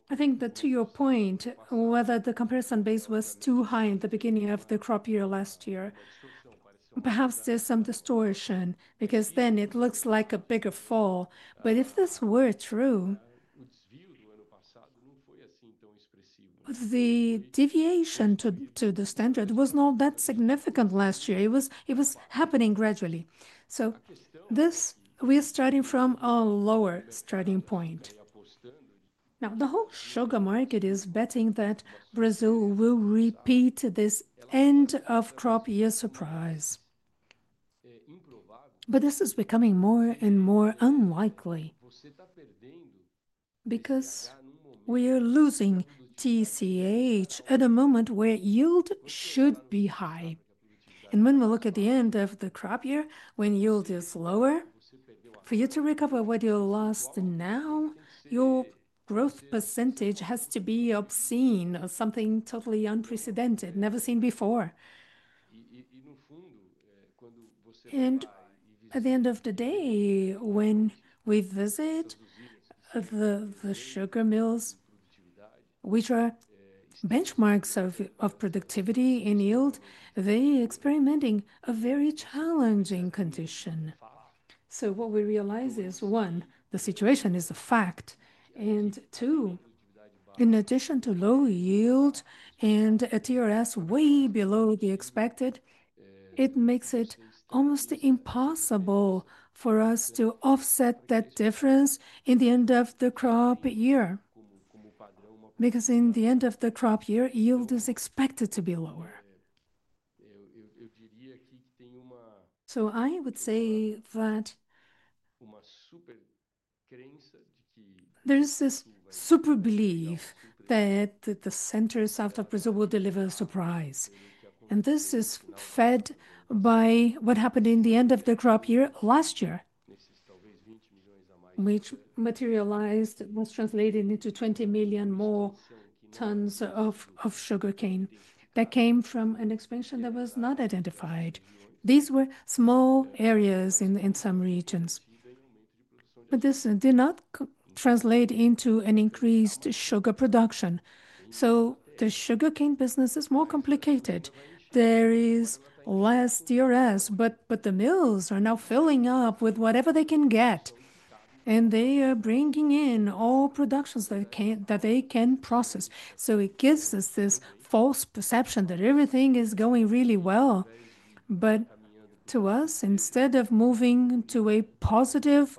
I think that to your point, whether the comparison base was too high in the beginning of the crop year last year, perhaps there is some distortion because then it looks like a bigger fall. If this were true, the deviation to the standard was not that significant last year. It was happening gradually. We are starting from a lower starting point. Now, the whole sugar market is betting that Brazil will repeat this end-of-crop year surprise. This is becoming more and more unlikely because we are losing TCH at a moment where yield should be high. When we look at the end of the crop year, when yield is lower, for you to recover what you lost now, your growth percentage has to be obscene or something totally unprecedented, never seen before. At the end of the day, when we visit the sugar mills, which are benchmarks of productivity and yield, they are experiencing a very challenging condition. What we realize is, one, the situation is a fact. In addition to low yield and a TRS way below the expected, it makes it almost impossible for us to offset that difference in the end of the crop year. Because in the end of the crop year, yield is expected to be lower. I would say that there's this super belief that the Center-South of Brazil will deliver a surprise. This is fed by what happened in the end of the crop year last year, which materialized, was translated into 20 million more tons of sugarcane that came from an expansion that was not identified. These were small areas in some regions. This did not translate into an increased sugar production. The sugarcane business is more complicated. There is less TRS, but the mills are now filling up with whatever they can get. They are bringing in all productions that they can process. It gives us this false perception that everything is going really well. To us, instead of moving to a positive,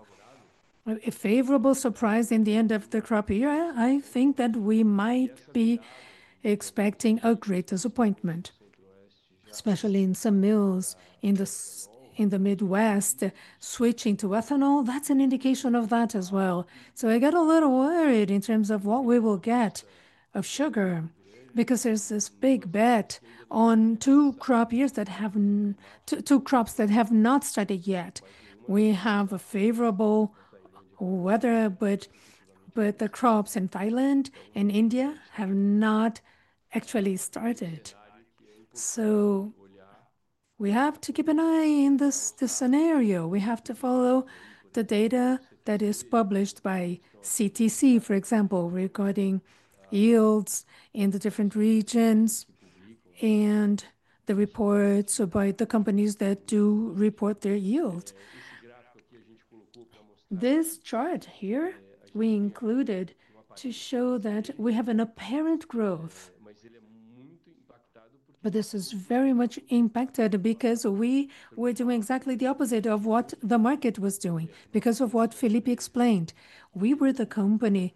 a favorable surprise in the end of the crop year, I think that we might be expecting a great disappointment, especially in some mills in the Midwest switching to ethanol. That is an indication of that as well. I got a little worried in terms of what we will get of sugar because there is this big bet on two crop years that have two crops that have not started yet. We have a favorable weather, but the crops in Thailand and India have not actually started. We have to keep an eye in this scenario. We have to follow the data that is published by CTC, for example, regarding yields in the different regions and the reports by the companies that do report their yield. This chart here, we included to show that we have an apparent growth. This is very much impacted because we were doing exactly the opposite of what the market was doing. Because of what Felipe explained, we were the company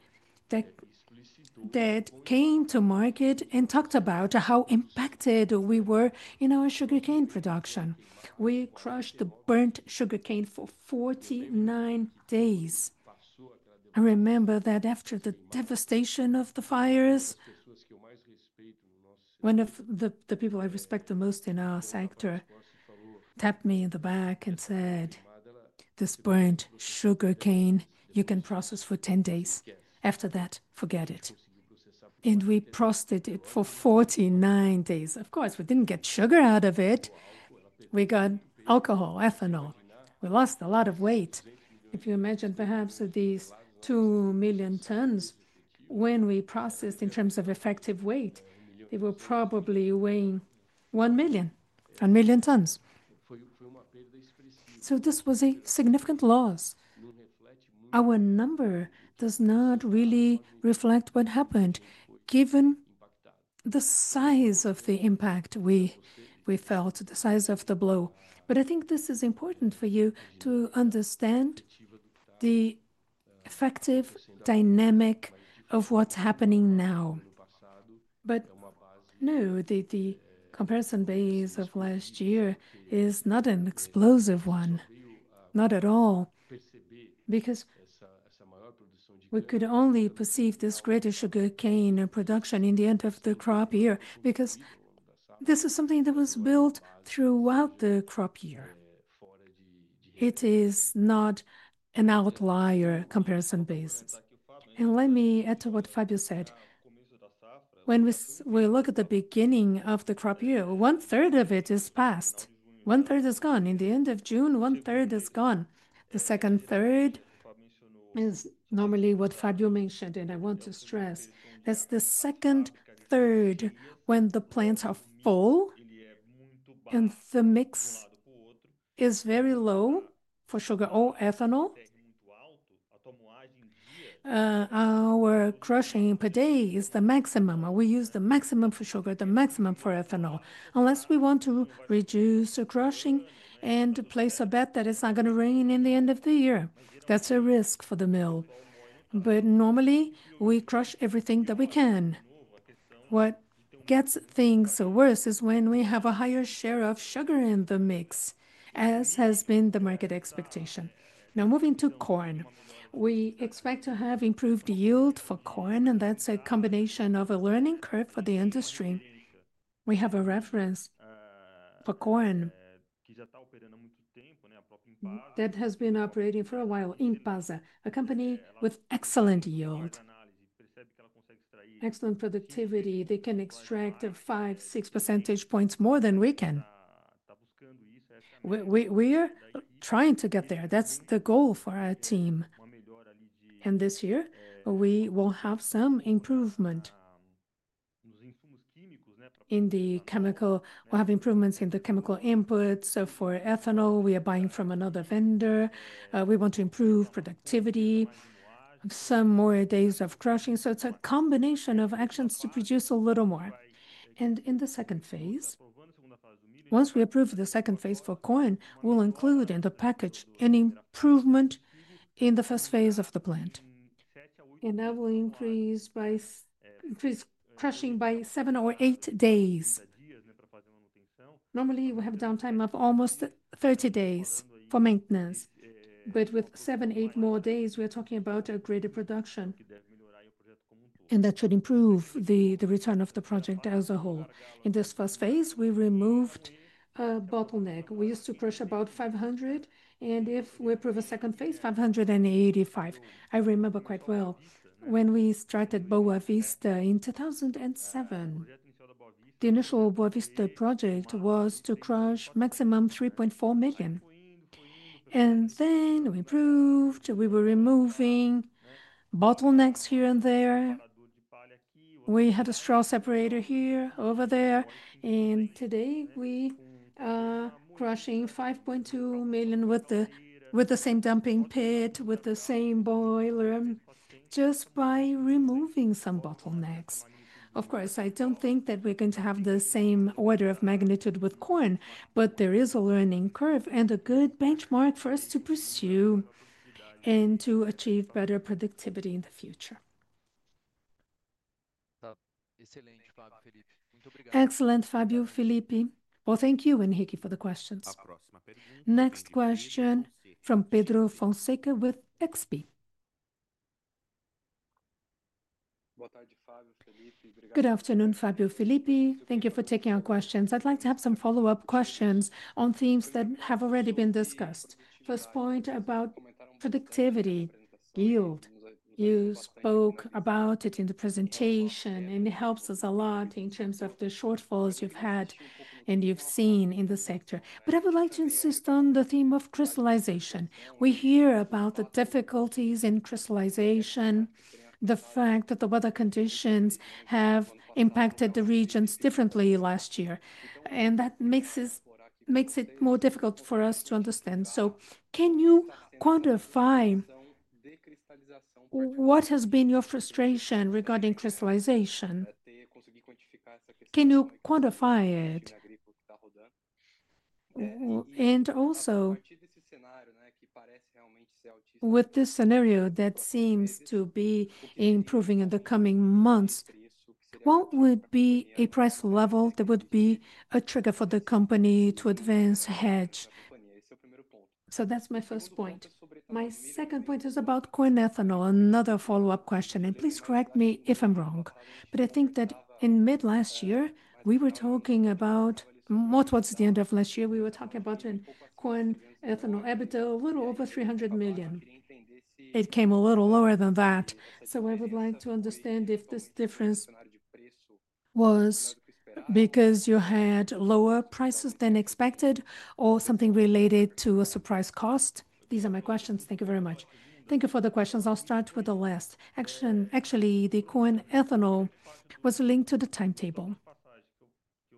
that came to market and talked about how impacted we were in our sugarcane production. We crushed the burnt sugarcane for 49 days. I remember that after the devastation of the fires, one of the people I respect the most in our sector tapped me in the back and said, "This burnt sugarcane, you can process for 10 days. After that, forget it." We processed it for 49 days. Of course, we did not get sugar out of it. We got alcohol, ethanol. We lost a lot of weight. If you imagine, perhaps these 2 million tons, when we processed in terms of effective weight, they were probably weighing 1 million, 1 million tons. This was a significant loss. Our number does not really reflect what happened given the size of the impact we felt, the size of the blow. I think this is important for you to understand the effective dynamic of what is happening now. No, the comparison base of last year is not an explosive one, not at all. We could only perceive this greater sugarcane production at the end of the crop year because this is something that was built throughout the crop year. It is not an outlier comparison base. Let me add to what Fábio said. When we look at the beginning of the crop year, one-third of it is past. One-third is gone. In the end of June, one-third is gone. The second-third is normally what Fábio mentioned, and I want to stress. That is the second-third when the plants are full and the mix is very low for sugar or ethanol. Our crushing per day is the maximum. We use the maximum for sugar, the maximum for ethanol. Unless we want to reduce the crushing and place a bet that it is not going to rain in the end of the year, that is a risk for the mill. Normally, we crush everything that we can. What gets things worse is when we have a higher share of sugar in the mix, as has been the market expectation. Now, moving to corn, we expect to have improved yield for corn, and that's a combination of a learning curve for the industry. We have a reference for corn that has been operating for a while in PASA, a company with excellent yield, excellent productivity. They can extract 5-6 percentage points more than we can. We are trying to get there. That's the goal for our team. This year, we will have some improvement in the chemical. We'll have improvements in the chemical inputs. For ethanol, we are buying from another vendor. We want to improve productivity, some more days of crushing. It's a combination of actions to produce a little more. In the second phase, once we approve the second phase for corn, we'll include in the package an improvement in the first phase of the plant. That will increase crushing by seven or eight days. Normally, we have a downtime of almost 30 days for maintenance. With seven-eight more days, we are talking about a greater production. That should improve the return of the project as a whole. In this first phase, we removed a bottleneck. We used to crush about 500, and if we approve a second phase, 585. I remember quite well when we started Boa Vista in 2007. The initial Boa Vista project was to crush maximum 3.4 million. Then we improved. We were removing bottlenecks here and there. We had a straw separator here, over there. Today, we are crushing 5.2 million with the same dumping pit, with the same boiler, just by removing some bottlenecks. Of course, I do not think that we are going to have the same order of magnitude with corn, but there is a learning curve and a good benchmark for us to pursue and to achieve better productivity in the future. Excellent, Fábio, Felipe. Thank you, Henrique, for the questions. Next question from Pedro Fonseca with XP. Good afternoon, Fábio, Felipe. Thank you for taking our questions. I would like to have some follow-up questions on themes that have already been discussed. First point about productivity, yield. You spoke about it in the presentation, and it helps us a lot in terms of the shortfalls you have had and you have seen in the sector. I would like to insist on the theme of crystallization. We hear about the difficulties in crystallization, the fact that the weather conditions have impacted the regions differently last year. That makes it more difficult for us to understand. Can you quantify what has been your frustration regarding crystallization? Can you quantify it? With this scenario that seems to be improving in the coming months, what would be a price level that would be a trigger for the company to advance a hedge? That is my first point. My second point is about corn ethanol, another follow-up question. Please correct me if I am wrong, but I think that in mid-last year, we were talking about, more towards the end of last year, we were talking about corn ethanol EBITDA, a little over 300 million. It came a little lower than that. I would like to understand if this difference was because you had lower prices than expected or something related to a surprise cost. These are my questions. Thank you very much. Thank you for the questions. I'll start with the last. Actually, the corn ethanol was linked to the timetable.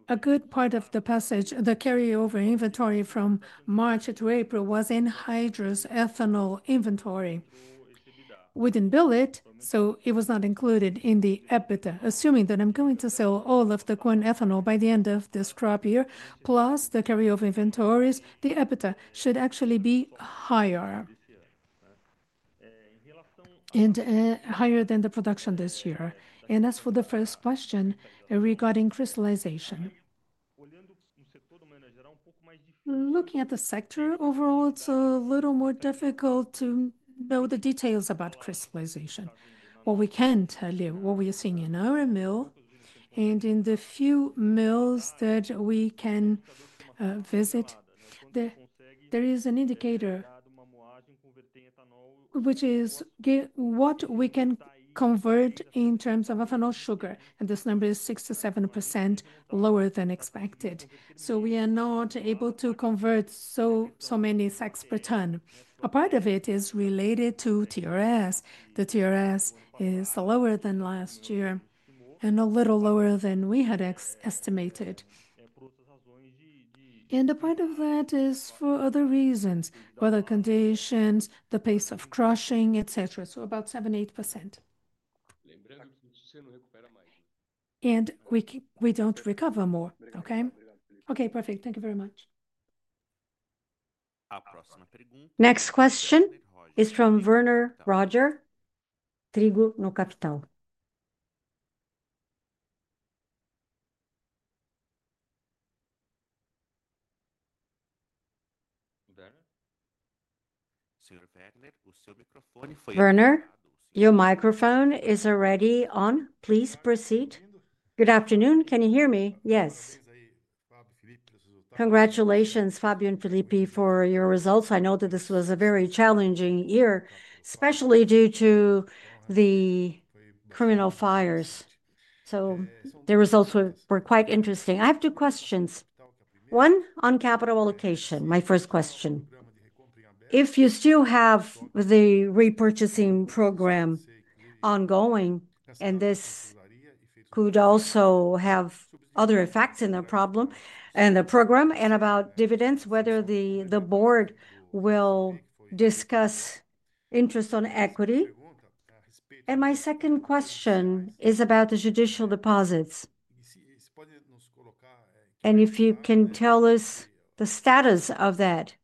A good part of the carryover inventory from March to April was in hydrous ethanol inventory. We didn't bill it, so it was not included in the EBITDA. Assuming that I'm going to sell all of the corn ethanol by the end of this crop year, plus the carryover inventories, the EBITDA should actually be higher and higher than the production this year. As for the first question regarding crystallization, looking at the sector overall, it's a little more difficult to know the details about crystallization. What we can tell you, what we are seeing in our mill and in the few mills that we can visit, there is an indicator which is what we can convert in terms of ethanol sugar. This number is 67% lower than expected. We are not able to convert so many sacks per ton. A part of it is related to TRS. The TRS is lower than last year and a little lower than we had estimated. A part of that is for other reasons: weather conditions, the pace of crushing, etc. About 7-8%. We do not recover more. Okay? Okay, perfect. Thank you very much. Next question is from Werner Roger. Werner, your microphone is already on. Please proceed. Good afternoon. Can you hear me? Yes. Congratulations, Fábio and Felipe, for your results. I know that this was a very challenging year, especially due to the criminal fires. The results were quite interesting. I have two questions. One on capital allocation. My first question: if you still have the repurchasing program ongoing, and this could also have other effects in the problem and the program, and about dividends, whether the board will discuss interest on equity. My second question is about the judicial deposits. If you can tell us the status of that.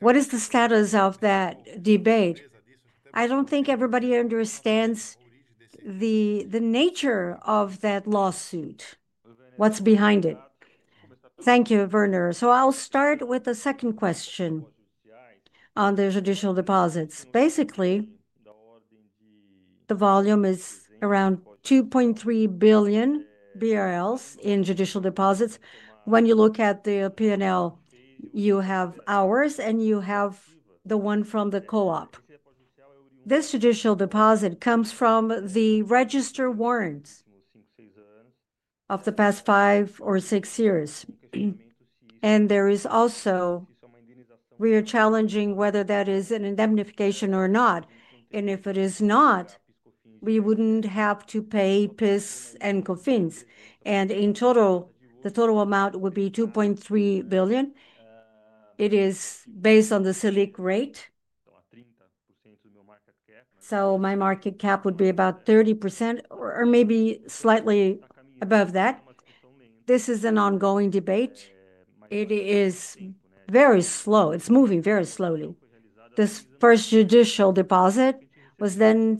What is the status of that debate? I do not think everybody understands the nature of that lawsuit, what is behind it. Thank you, Werner. I will start with the second question on the judicial deposits. Basically, the volume is around 2.3 billion BRL in judicial deposits. When you look at the P&L, you have ours and you have the one from the co-op. This judicial deposit comes from the registered warrants of the past five or six years. There is also, we are challenging whether that is an indemnification or not. If it is not, we would not have to pay PIS and COFINS. In total, the total amount would be 2.3 billion. It is based on the SELIC rate. My market cap would be about 30% or maybe slightly above that. This is an ongoing debate. It is very slow. It is moving very slowly. This first judicial deposit was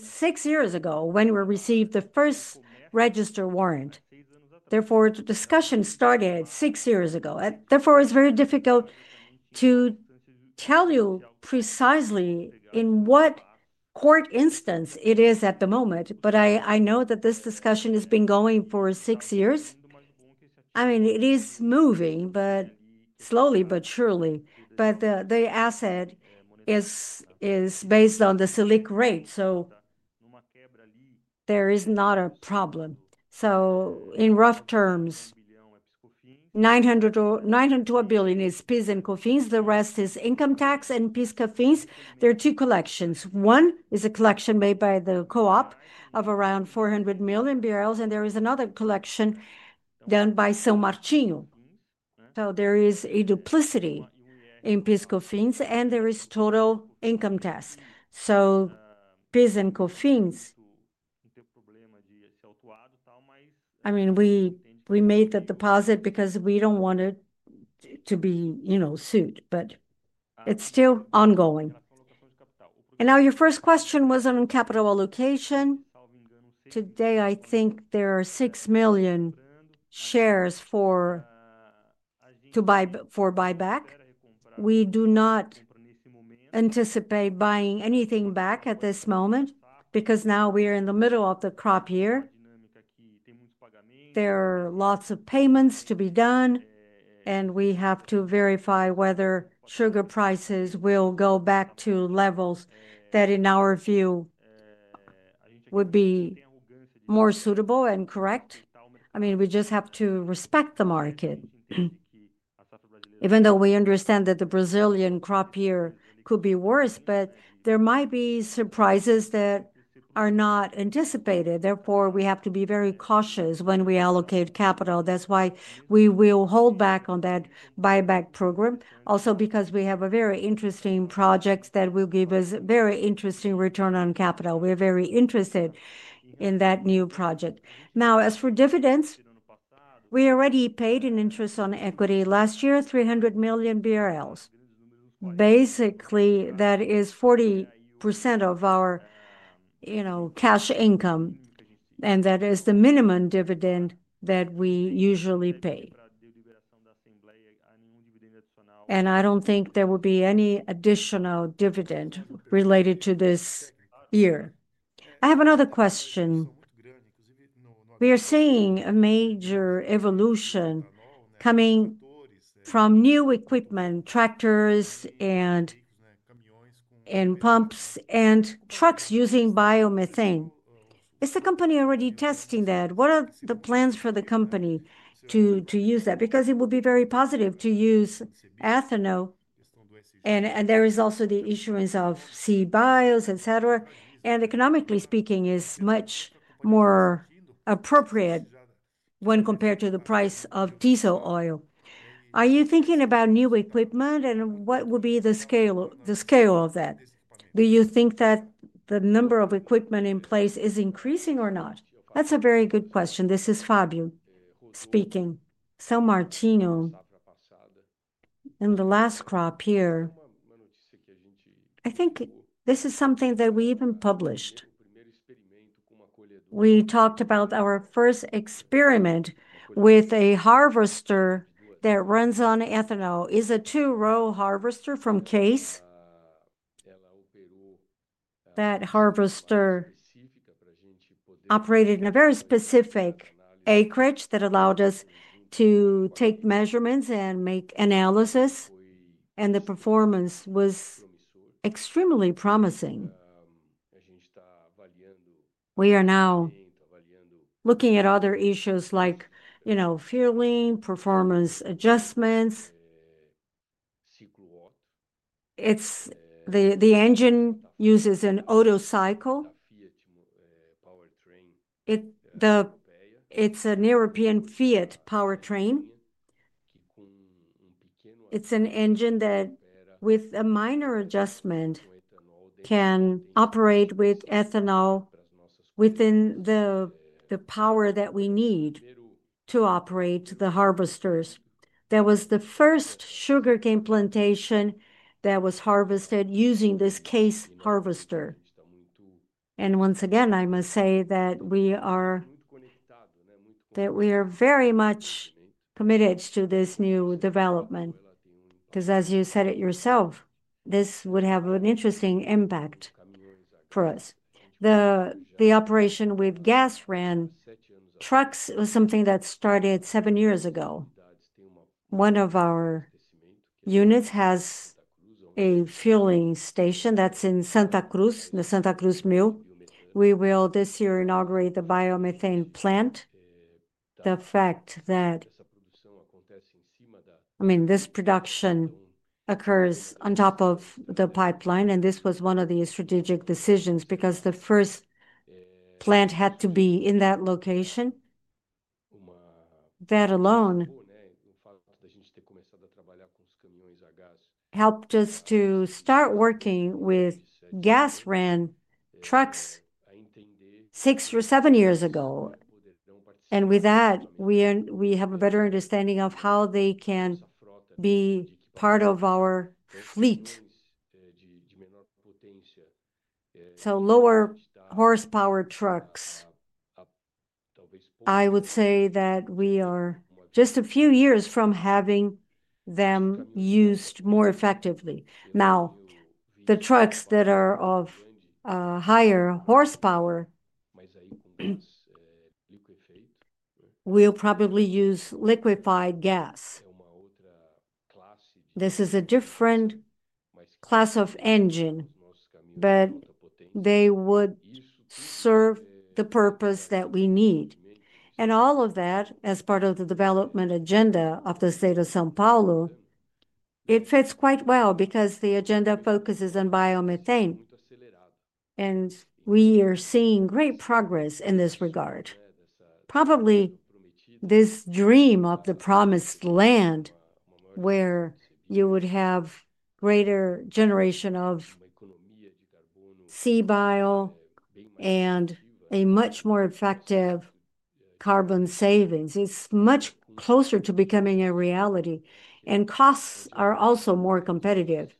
six years ago when we received the first registered warrant. Therefore, the discussion started six years ago. It is very difficult to tell you precisely in what court instance it is at the moment. I know that this discussion has been going for six years. I mean, it is moving, but slowly, but surely. The asset is based on the SELIC rate. There is not a problem. In rough terms, 900 million or 1 billion is PIS and COFINS. The rest is income tax and PIS and COFINS. There are two collections. One is a collection made by the co-op of around 400 million. And there is another collection done by São Martinho. There is a duplicity in PIS and COFINS, and there is total income tax. PIS and COFINS, I mean, we made the deposit because we do not want to be sued, but it is still ongoing. Now your first question was on capital allocation. Today, I think there are 6 million shares to buy back. We do not anticipate buying anything back at this moment because now we are in the middle of the crop year. There are lots of payments to be done, and we have to verify whether sugar prices will go back to levels that, in our view, would be more suitable and correct. I mean, we just have to respect the market. Even though we understand that the Brazilian crop year could be worse, there might be surprises that are not anticipated. Therefore, we have to be very cautious when we allocate capital. That is why we will hold back on that buyback program. Also, because we have a very interesting project that will give us a very interesting return on capital. We are very interested in that new project. Now, as for dividends, we already paid in interest on equity last year, 300 million BRL. Basically, that is 40% of our cash income, and that is the minimum dividend that we usually pay. I do not think there will be any additional dividend related to this year. I have another question. We are seeing a major evolution coming from new equipment, tractors, and pumps and trucks using biomethane. Is the company already testing that? What are the plans for the company to use that? Because it would be very positive to use ethanol. There is also the issuance of CBIOs, etc. Economically speaking, it is much more appropriate when compared to the price of diesel oil. Are you thinking about new equipment, and what would be the scale of that? Do you think that the number of equipment in place is increasing or not? That's a very good question. This is Fábio speaking. São Martinho. In the last crop year, I think this is something that we even published. We talked about our first experiment with a harvester that runs on ethanol. It is a two-row harvester from CASE. That harvester operated in a very specific acreage that allowed us to take measurements and make analysis. The performance was extremely promising. We are now looking at other issues like fueling, performance adjustments. The engine uses an auto cycle. It's a European Fiat powertrain. It's an engine that, with a minor adjustment, can operate with ethanol within the power that we need to operate the harvesters. That was the first sugarcane plantation that was harvested using this CASE harvester. Once again, I must say that we are very much committed to this new development because, as you said it yourself, this would have an interesting impact for us. The operation with gas-run trucks was something that started seven years ago. One of our units has a fueling station that is in Santa Cruz, the Santa Cruz mill. We will this year inaugurate the biomethane plant. The fact that, I mean, this production occurs on top of the pipeline, and this was one of the strategic decisions because the first plant had to be in that location. That alone helped us to start working with gas ran trucks six or seven years ago. With that, we have a better understanding of how they can be part of our fleet. Lower horsepower trucks, I would say that we are just a few years from having them used more effectively. Now, the trucks that are of higher horsepower will probably use liquefied gas. This is a different class of engine, but they would serve the purpose that we need. All of that, as part of the development agenda of the state of São Paulo, fits quite well because the agenda focuses on biomethane. We are seeing great progress in this regard. Probably this dream of the promised land where you would have greater generation of C bio and a much more effective carbon savings. It's much closer to becoming a reality. And costs are also more competitive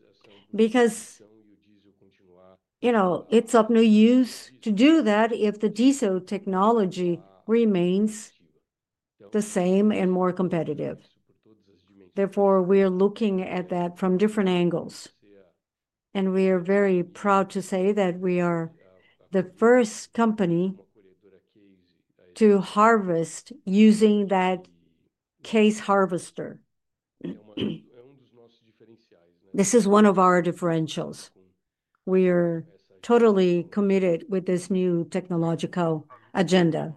because, you know, it's of no use to do that if the diesel technology remains the same and more competitive. Therefore, we are looking at that from different angles. And we are very proud to say that we are the first company to harvest using that CASE harvester. This is one of our differentials. We are totally committed with this new technological agenda.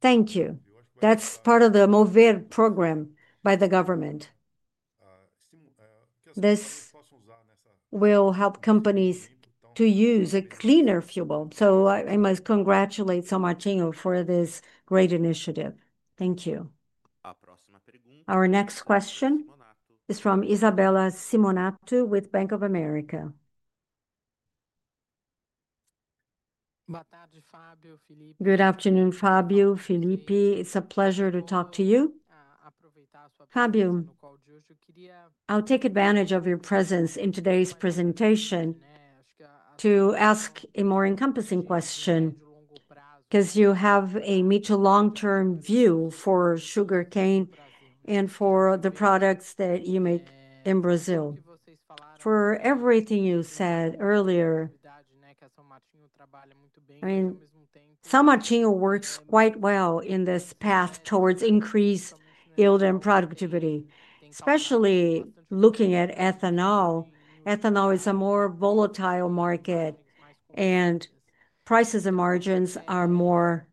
Thank you. That's part of the MOVER program by the government. This will help companies to use a cleaner fuel. So I must congratulate São Martinho for this great initiative. Thank you. Our next question is from Isabella Simonato with Bank of America. Boa tarde, Fábio. Good afternoon, Fábio. Felipe, it's a pleasure to talk to you. Fábio, I'll take advantage of your presence in today's presentation to ask a more encompassing question because you have a medium to long-term view for sugarcane and for the products that you make in Brazil. For everything you said earlier, São Martinho works quite well in this path towards increased yield and productivity, especially looking at ethanol. Ethanol is a more volatile market, and prices and margins are more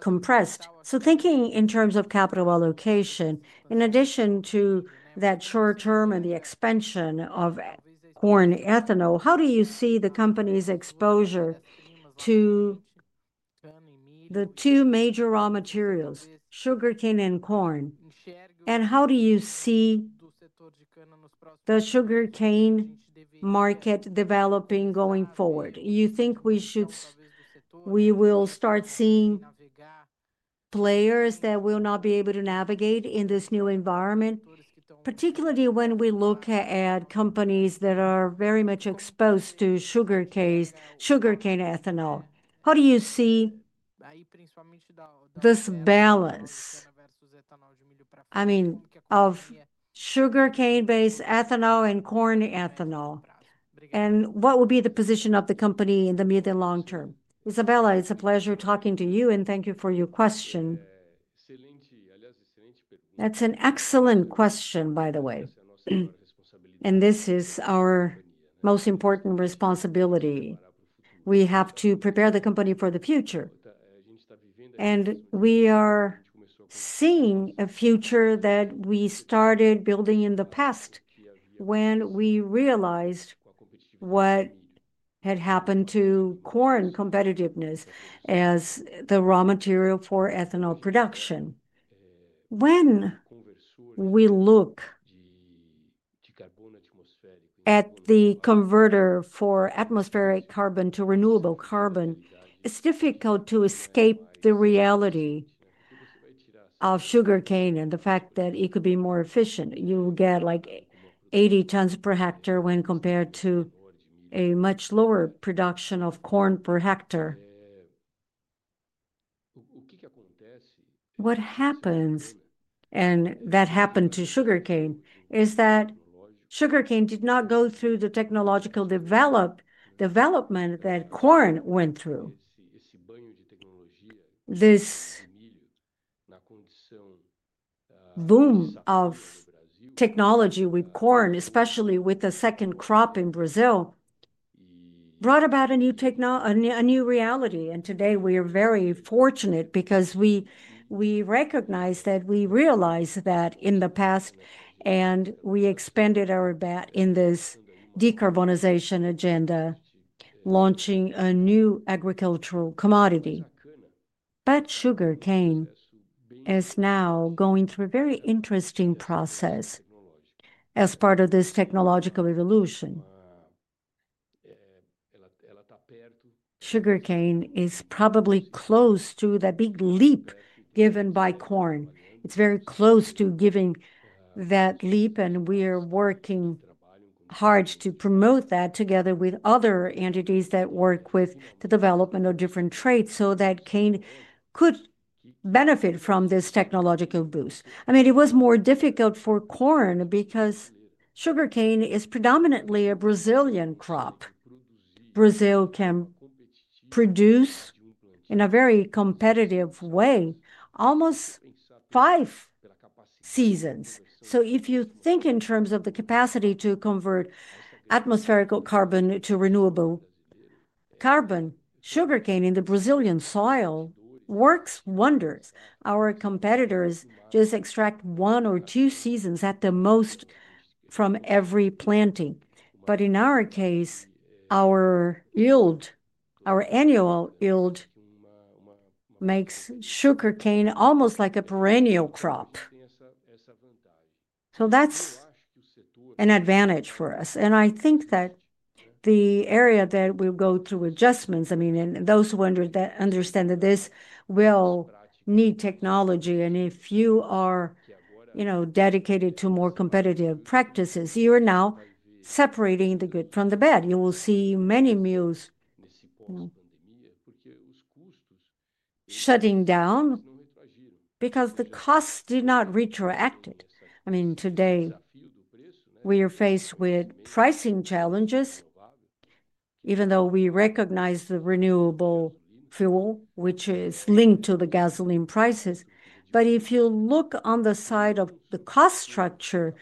compressed. Thinking in terms of capital allocation, in addition to that short term and the expansion of corn ethanol, how do you see the company's exposure to the two major raw materials, sugarcane and corn? How do you see the sugarcane market developing going forward? You think we will start seeing players that will not be able to navigate in this new environment, particularly when we look at companies that are very much exposed to sugarcane, sugarcane ethanol? How do you see this balance, I mean, of sugarcane-based ethanol and corn ethanol? And what will be the position of the company in the medium and long term? Isabela, it's a pleasure talking to you, and thank you for your question. That's an excellent question, by the way. This is our most important responsibility. We have to prepare the company for the future. We are seeing a future that we started building in the past when we realized what had happened to corn competitiveness as the raw material for ethanol production. When we look at the converter for atmospheric carbon to renewable carbon, it's difficult to escape the reality of sugarcane and the fact that it could be more efficient. You will get like 80 tons per hectare when compared to a much lower production of corn per hectare. What happens, and that happened to sugarcane, is that sugarcane did not go through the technological development that corn went through. This boom of technology with corn, especially with the second crop in Brazil, brought about a new reality, and today we are very fortunate because we recognize that we realized that in the past, and we expanded our bet in this decarbonization agenda, launching a new agricultural commodity. Sugarcane is now going through a very interesting process as part of this technological evolution. Sugarcane is probably close to the big leap given by corn. It's very close to giving that leap, and we are working hard to promote that together with other entities that work with the development of different traits so that cane could benefit from this technological boost. I mean, it was more difficult for corn because sugarcane is predominantly a Brazilian crop. Brazil can produce in a very competitive way almost five seasons. If you think in terms of the capacity to convert atmospheric carbon to renewable carbon, sugarcane in the Brazilian soil works wonders. Our competitors just extract one or two seasons at the most from every planting. In our case, our yield, our annual yield makes sugarcane almost like a perennial crop. That's an advantage for us. I think that the area that will go through adjustments, I mean, and those who understand that this will need technology. If you are, you know, dedicated to more competitive practices, you are now separating the good from the bad. You will see many mills shutting down because the costs did not retroact. I mean, today, we are faced with pricing challenges, even though we recognize the renewable fuel, which is linked to the gasoline prices. If you look on the side of the cost structure,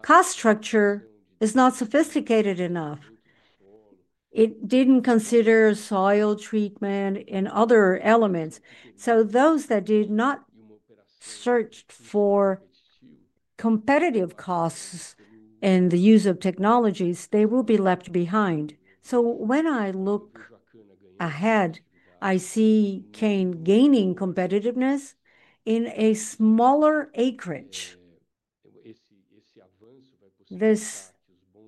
cost structure is not sophisticated enough. It did not consider soil treatment and other elements. Those that did not search for competitive costs in the use of technologies, they will be left behind. When I look ahead, I see cane gaining competitiveness in a smaller acreage. This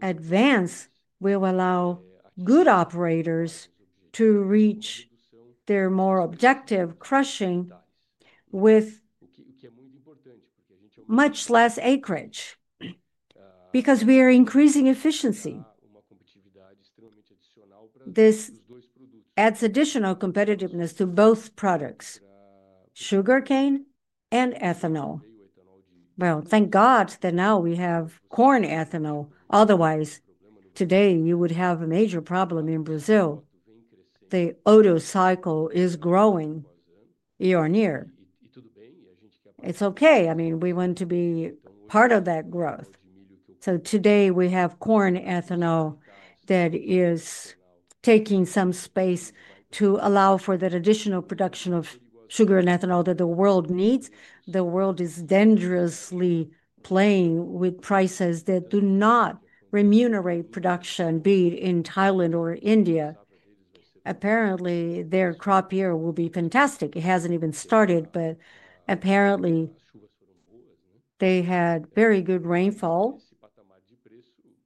advance will allow good operators to reach their more objective crushing with much less acreage because we are increasing efficiency. This adds additional competitiveness to both products, sugarcane and ethanol. Thank God that now we have corn ethanol. Otherwise, today you would have a major problem in Brazil. The auto cycle is growing year on year. It's okay. I mean, we want to be part of that growth. Today we have corn ethanol that is taking some space to allow for that additional production of sugar and ethanol that the world needs. The world is dangerously playing with prices that do not remunerate production, be it in Thailand or India. Apparently, their crop year will be fantastic. It hasn't even started, but apparently they had very good rainfall.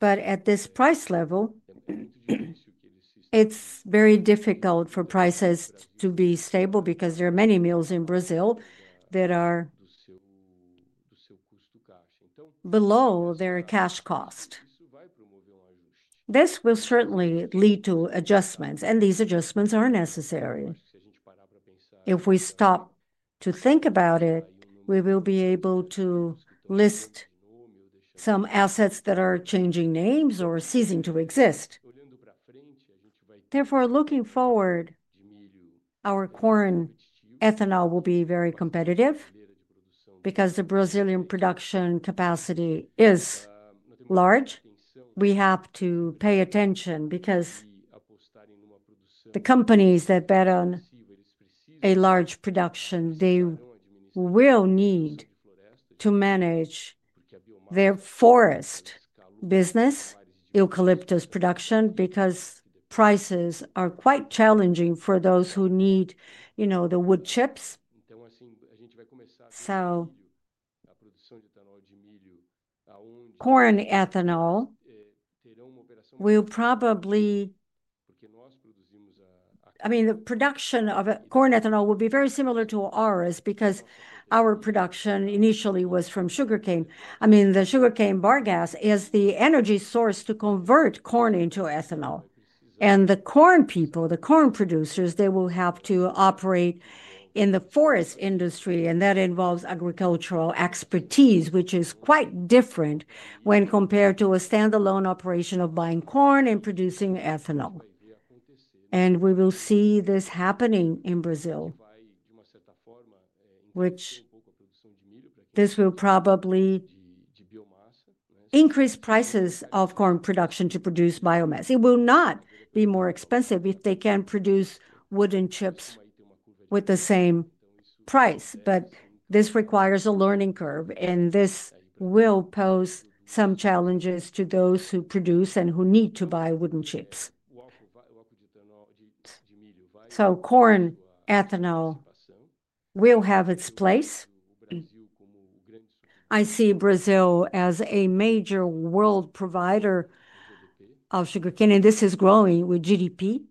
At this price level, it's very difficult for prices to be stable because there are many mills in Brazil that are below their cash cost. This will certainly lead to adjustments, and these adjustments are necessary. If we stop to think about it, we will be able to list some assets that are changing names or ceasing to exist. Therefore, looking forward, our corn ethanol will be very competitive because the Brazilian production capacity is large. We have to pay attention because the companies that bet on a large production, they will need to manage their forest business, eucalyptus production, because prices are quite challenging for those who need, you know, the wood chips. So corn ethanol will probably, I mean, the production of corn ethanol will be very similar to ours because our production initially was from sugarcane. I mean, the sugarcane bagasse is the energy source to convert corn into ethanol. The corn people, the corn producers, will have to operate in the forest industry, and that involves agricultural expertise, which is quite different when compared to a standalone operation of buying corn and producing ethanol. We will see this happening in Brazil, which will probably increase prices of corn production to produce biomass. It will not be more expensive if they can produce wood and chips with the same price, but this requires a learning curve, and this will pose some challenges to those who produce and who need to buy wood and chips. Corn ethanol will have its place. I see Brazil as a major world provider of sugarcane, and this is growing with GDP.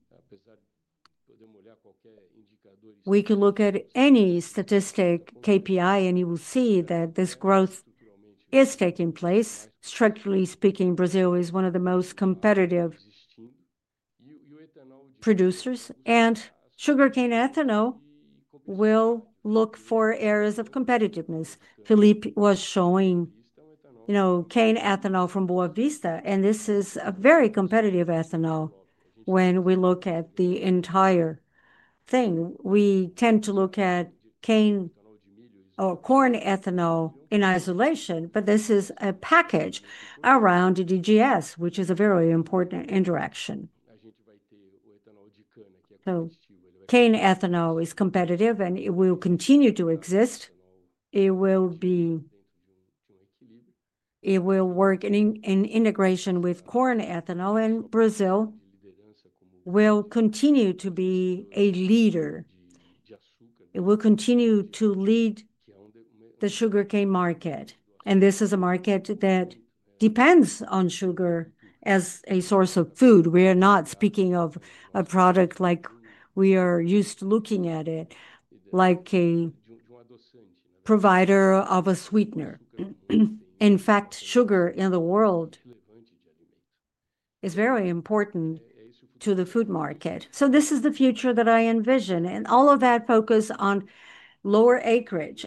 We can look at any statistic KPI, and you will see that this growth is taking place. Structurally speaking, Brazil is one of the most competitive producers, and sugarcane ethanol will look for areas of competitiveness. Felipe was showing, you know, cane ethanol from Boa Vista, and this is a very competitive ethanol. When we look at the entire thing, we tend to look at cane or corn ethanol in isolation, but this is a package around DDGS, which is a very important interaction. So cane ethanol is competitive, and it will continue to exist. It will be in integration with corn ethanol, and Brazil will continue to be a leader. It will continue to lead the sugarcane market, and this is a market that depends on sugar as a source of food. We are not speaking of a product like we are used to looking at it like a provider of a sweetener. In fact, sugar in the world is very important to the food market. This is the future that I envision, and all of that focus on lower acreage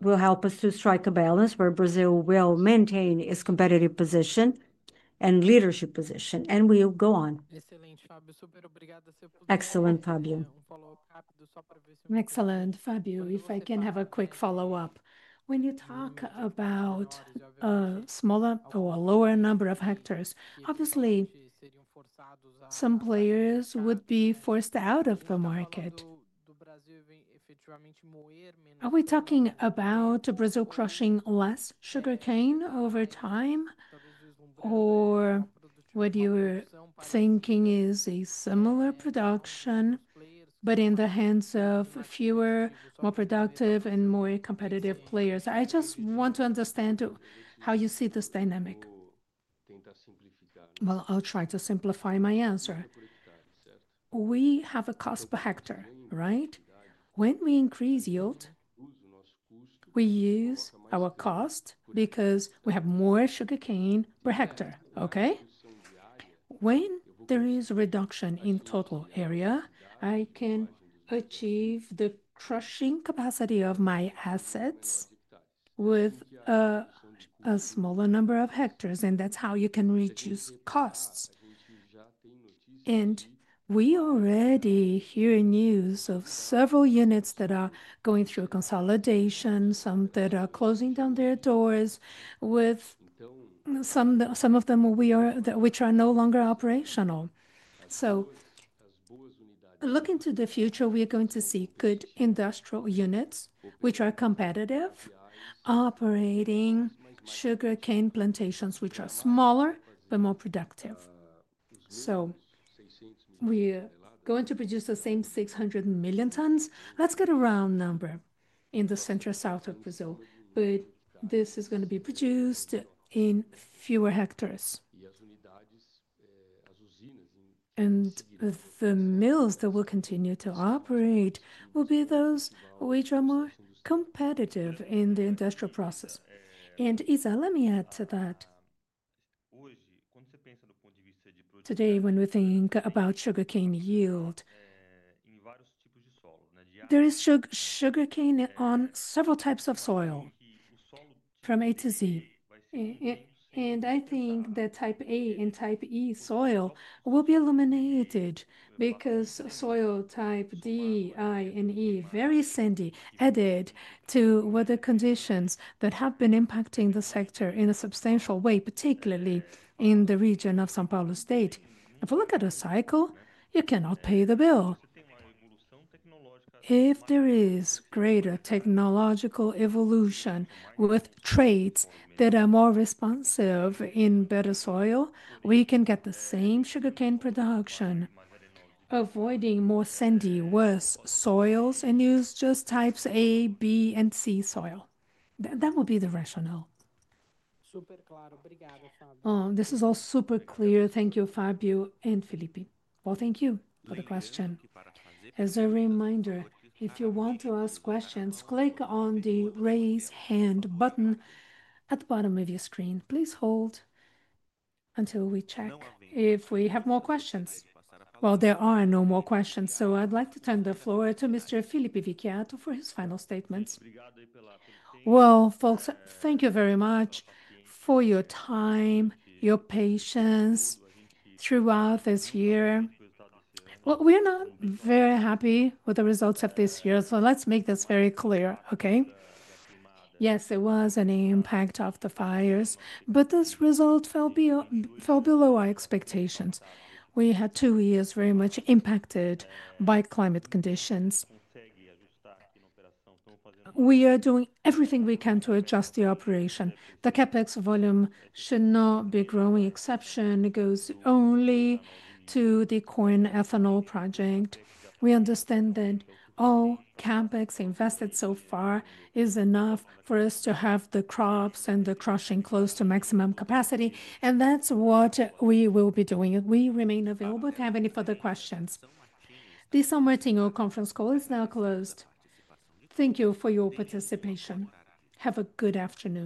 will help us to strike a balance where Brazil will maintain its competitive position and leadership position, and we will go on. Excellent, Fábio. If I can have a quick follow-up. When you talk about a smaller or lower number of hectares, obviously some players would be forced out of the market. Are we talking about Brazil crushing less sugarcane over time, or what you are thinking is a similar production but in the hands of fewer, more productive, and more competitive players? I just want to understand how you see this dynamic. I'll try to simplify my answer. We have a cost per hectare, right? When we increase yield, we use our cost because we have more sugarcane per hectare, okay? When there is a reduction in total area, I can achieve the crushing capacity of my assets with a smaller number of hectares, and that is how you can reduce costs. We already hear news of several units that are going through consolidation, some that are closing down their doors, with some of them which are no longer operational. Looking to the future, we are going to see good industrial units which are competitive, operating sugarcane plantations which are smaller but more productive. We are going to produce the same 600 million tons. That is a round number in the Center-South of Brazil, but this is going to be produced in fewer hectares. The mills that will continue to operate will be those which are more competitive in the industrial process. Isa, let me add to that. Today, when we think about sugarcane yield, there is sugarcane on several types of soil, from A to Z. I think that type A and type E soil will be eliminated because soil type D, I, and E, very sandy, added to weather conditions that have been impacting the sector in a substantial way, particularly in the region of São Paulo state. If you look at the cycle, you cannot pay the bill. If there is greater technological evolution with traits that are more responsive in better soil, we can get the same sugarcane production, avoiding more sandy, worse soils and use just types A, B, and C soil. That will be the rationale. This all super clear. Thank you, Fábio and Felipe. Thank you for the question. As a reminder, if you want to ask questions, click on the raise hand button at the bottom of your screen. Please hold until we check if we have more questions. There are no more questions, so I'd like to turn the floor to Mr. Felipe Vicchiato for his final statements. Folks, thank you very much for your time, your patience throughout this year. We're not very happy with the results of this year, so let's make this very clear, okay? Yes, there was an impact of the fires, but those results fell below our expectations. We had two years very much impacted by climate conditions. We are doing everything we can to adjust the operation. The CAPEX volume should not be growing exception. It goes only to the corn ethanol project. We understand that all CAPEX invested so far is enough for us to have the crops and the crushing close to maximum capacity, and that's what we will be doing. We remain available if you have any further questions. This São Martinho conference call is now closed. Thank you for your participation. Have a good afternoon.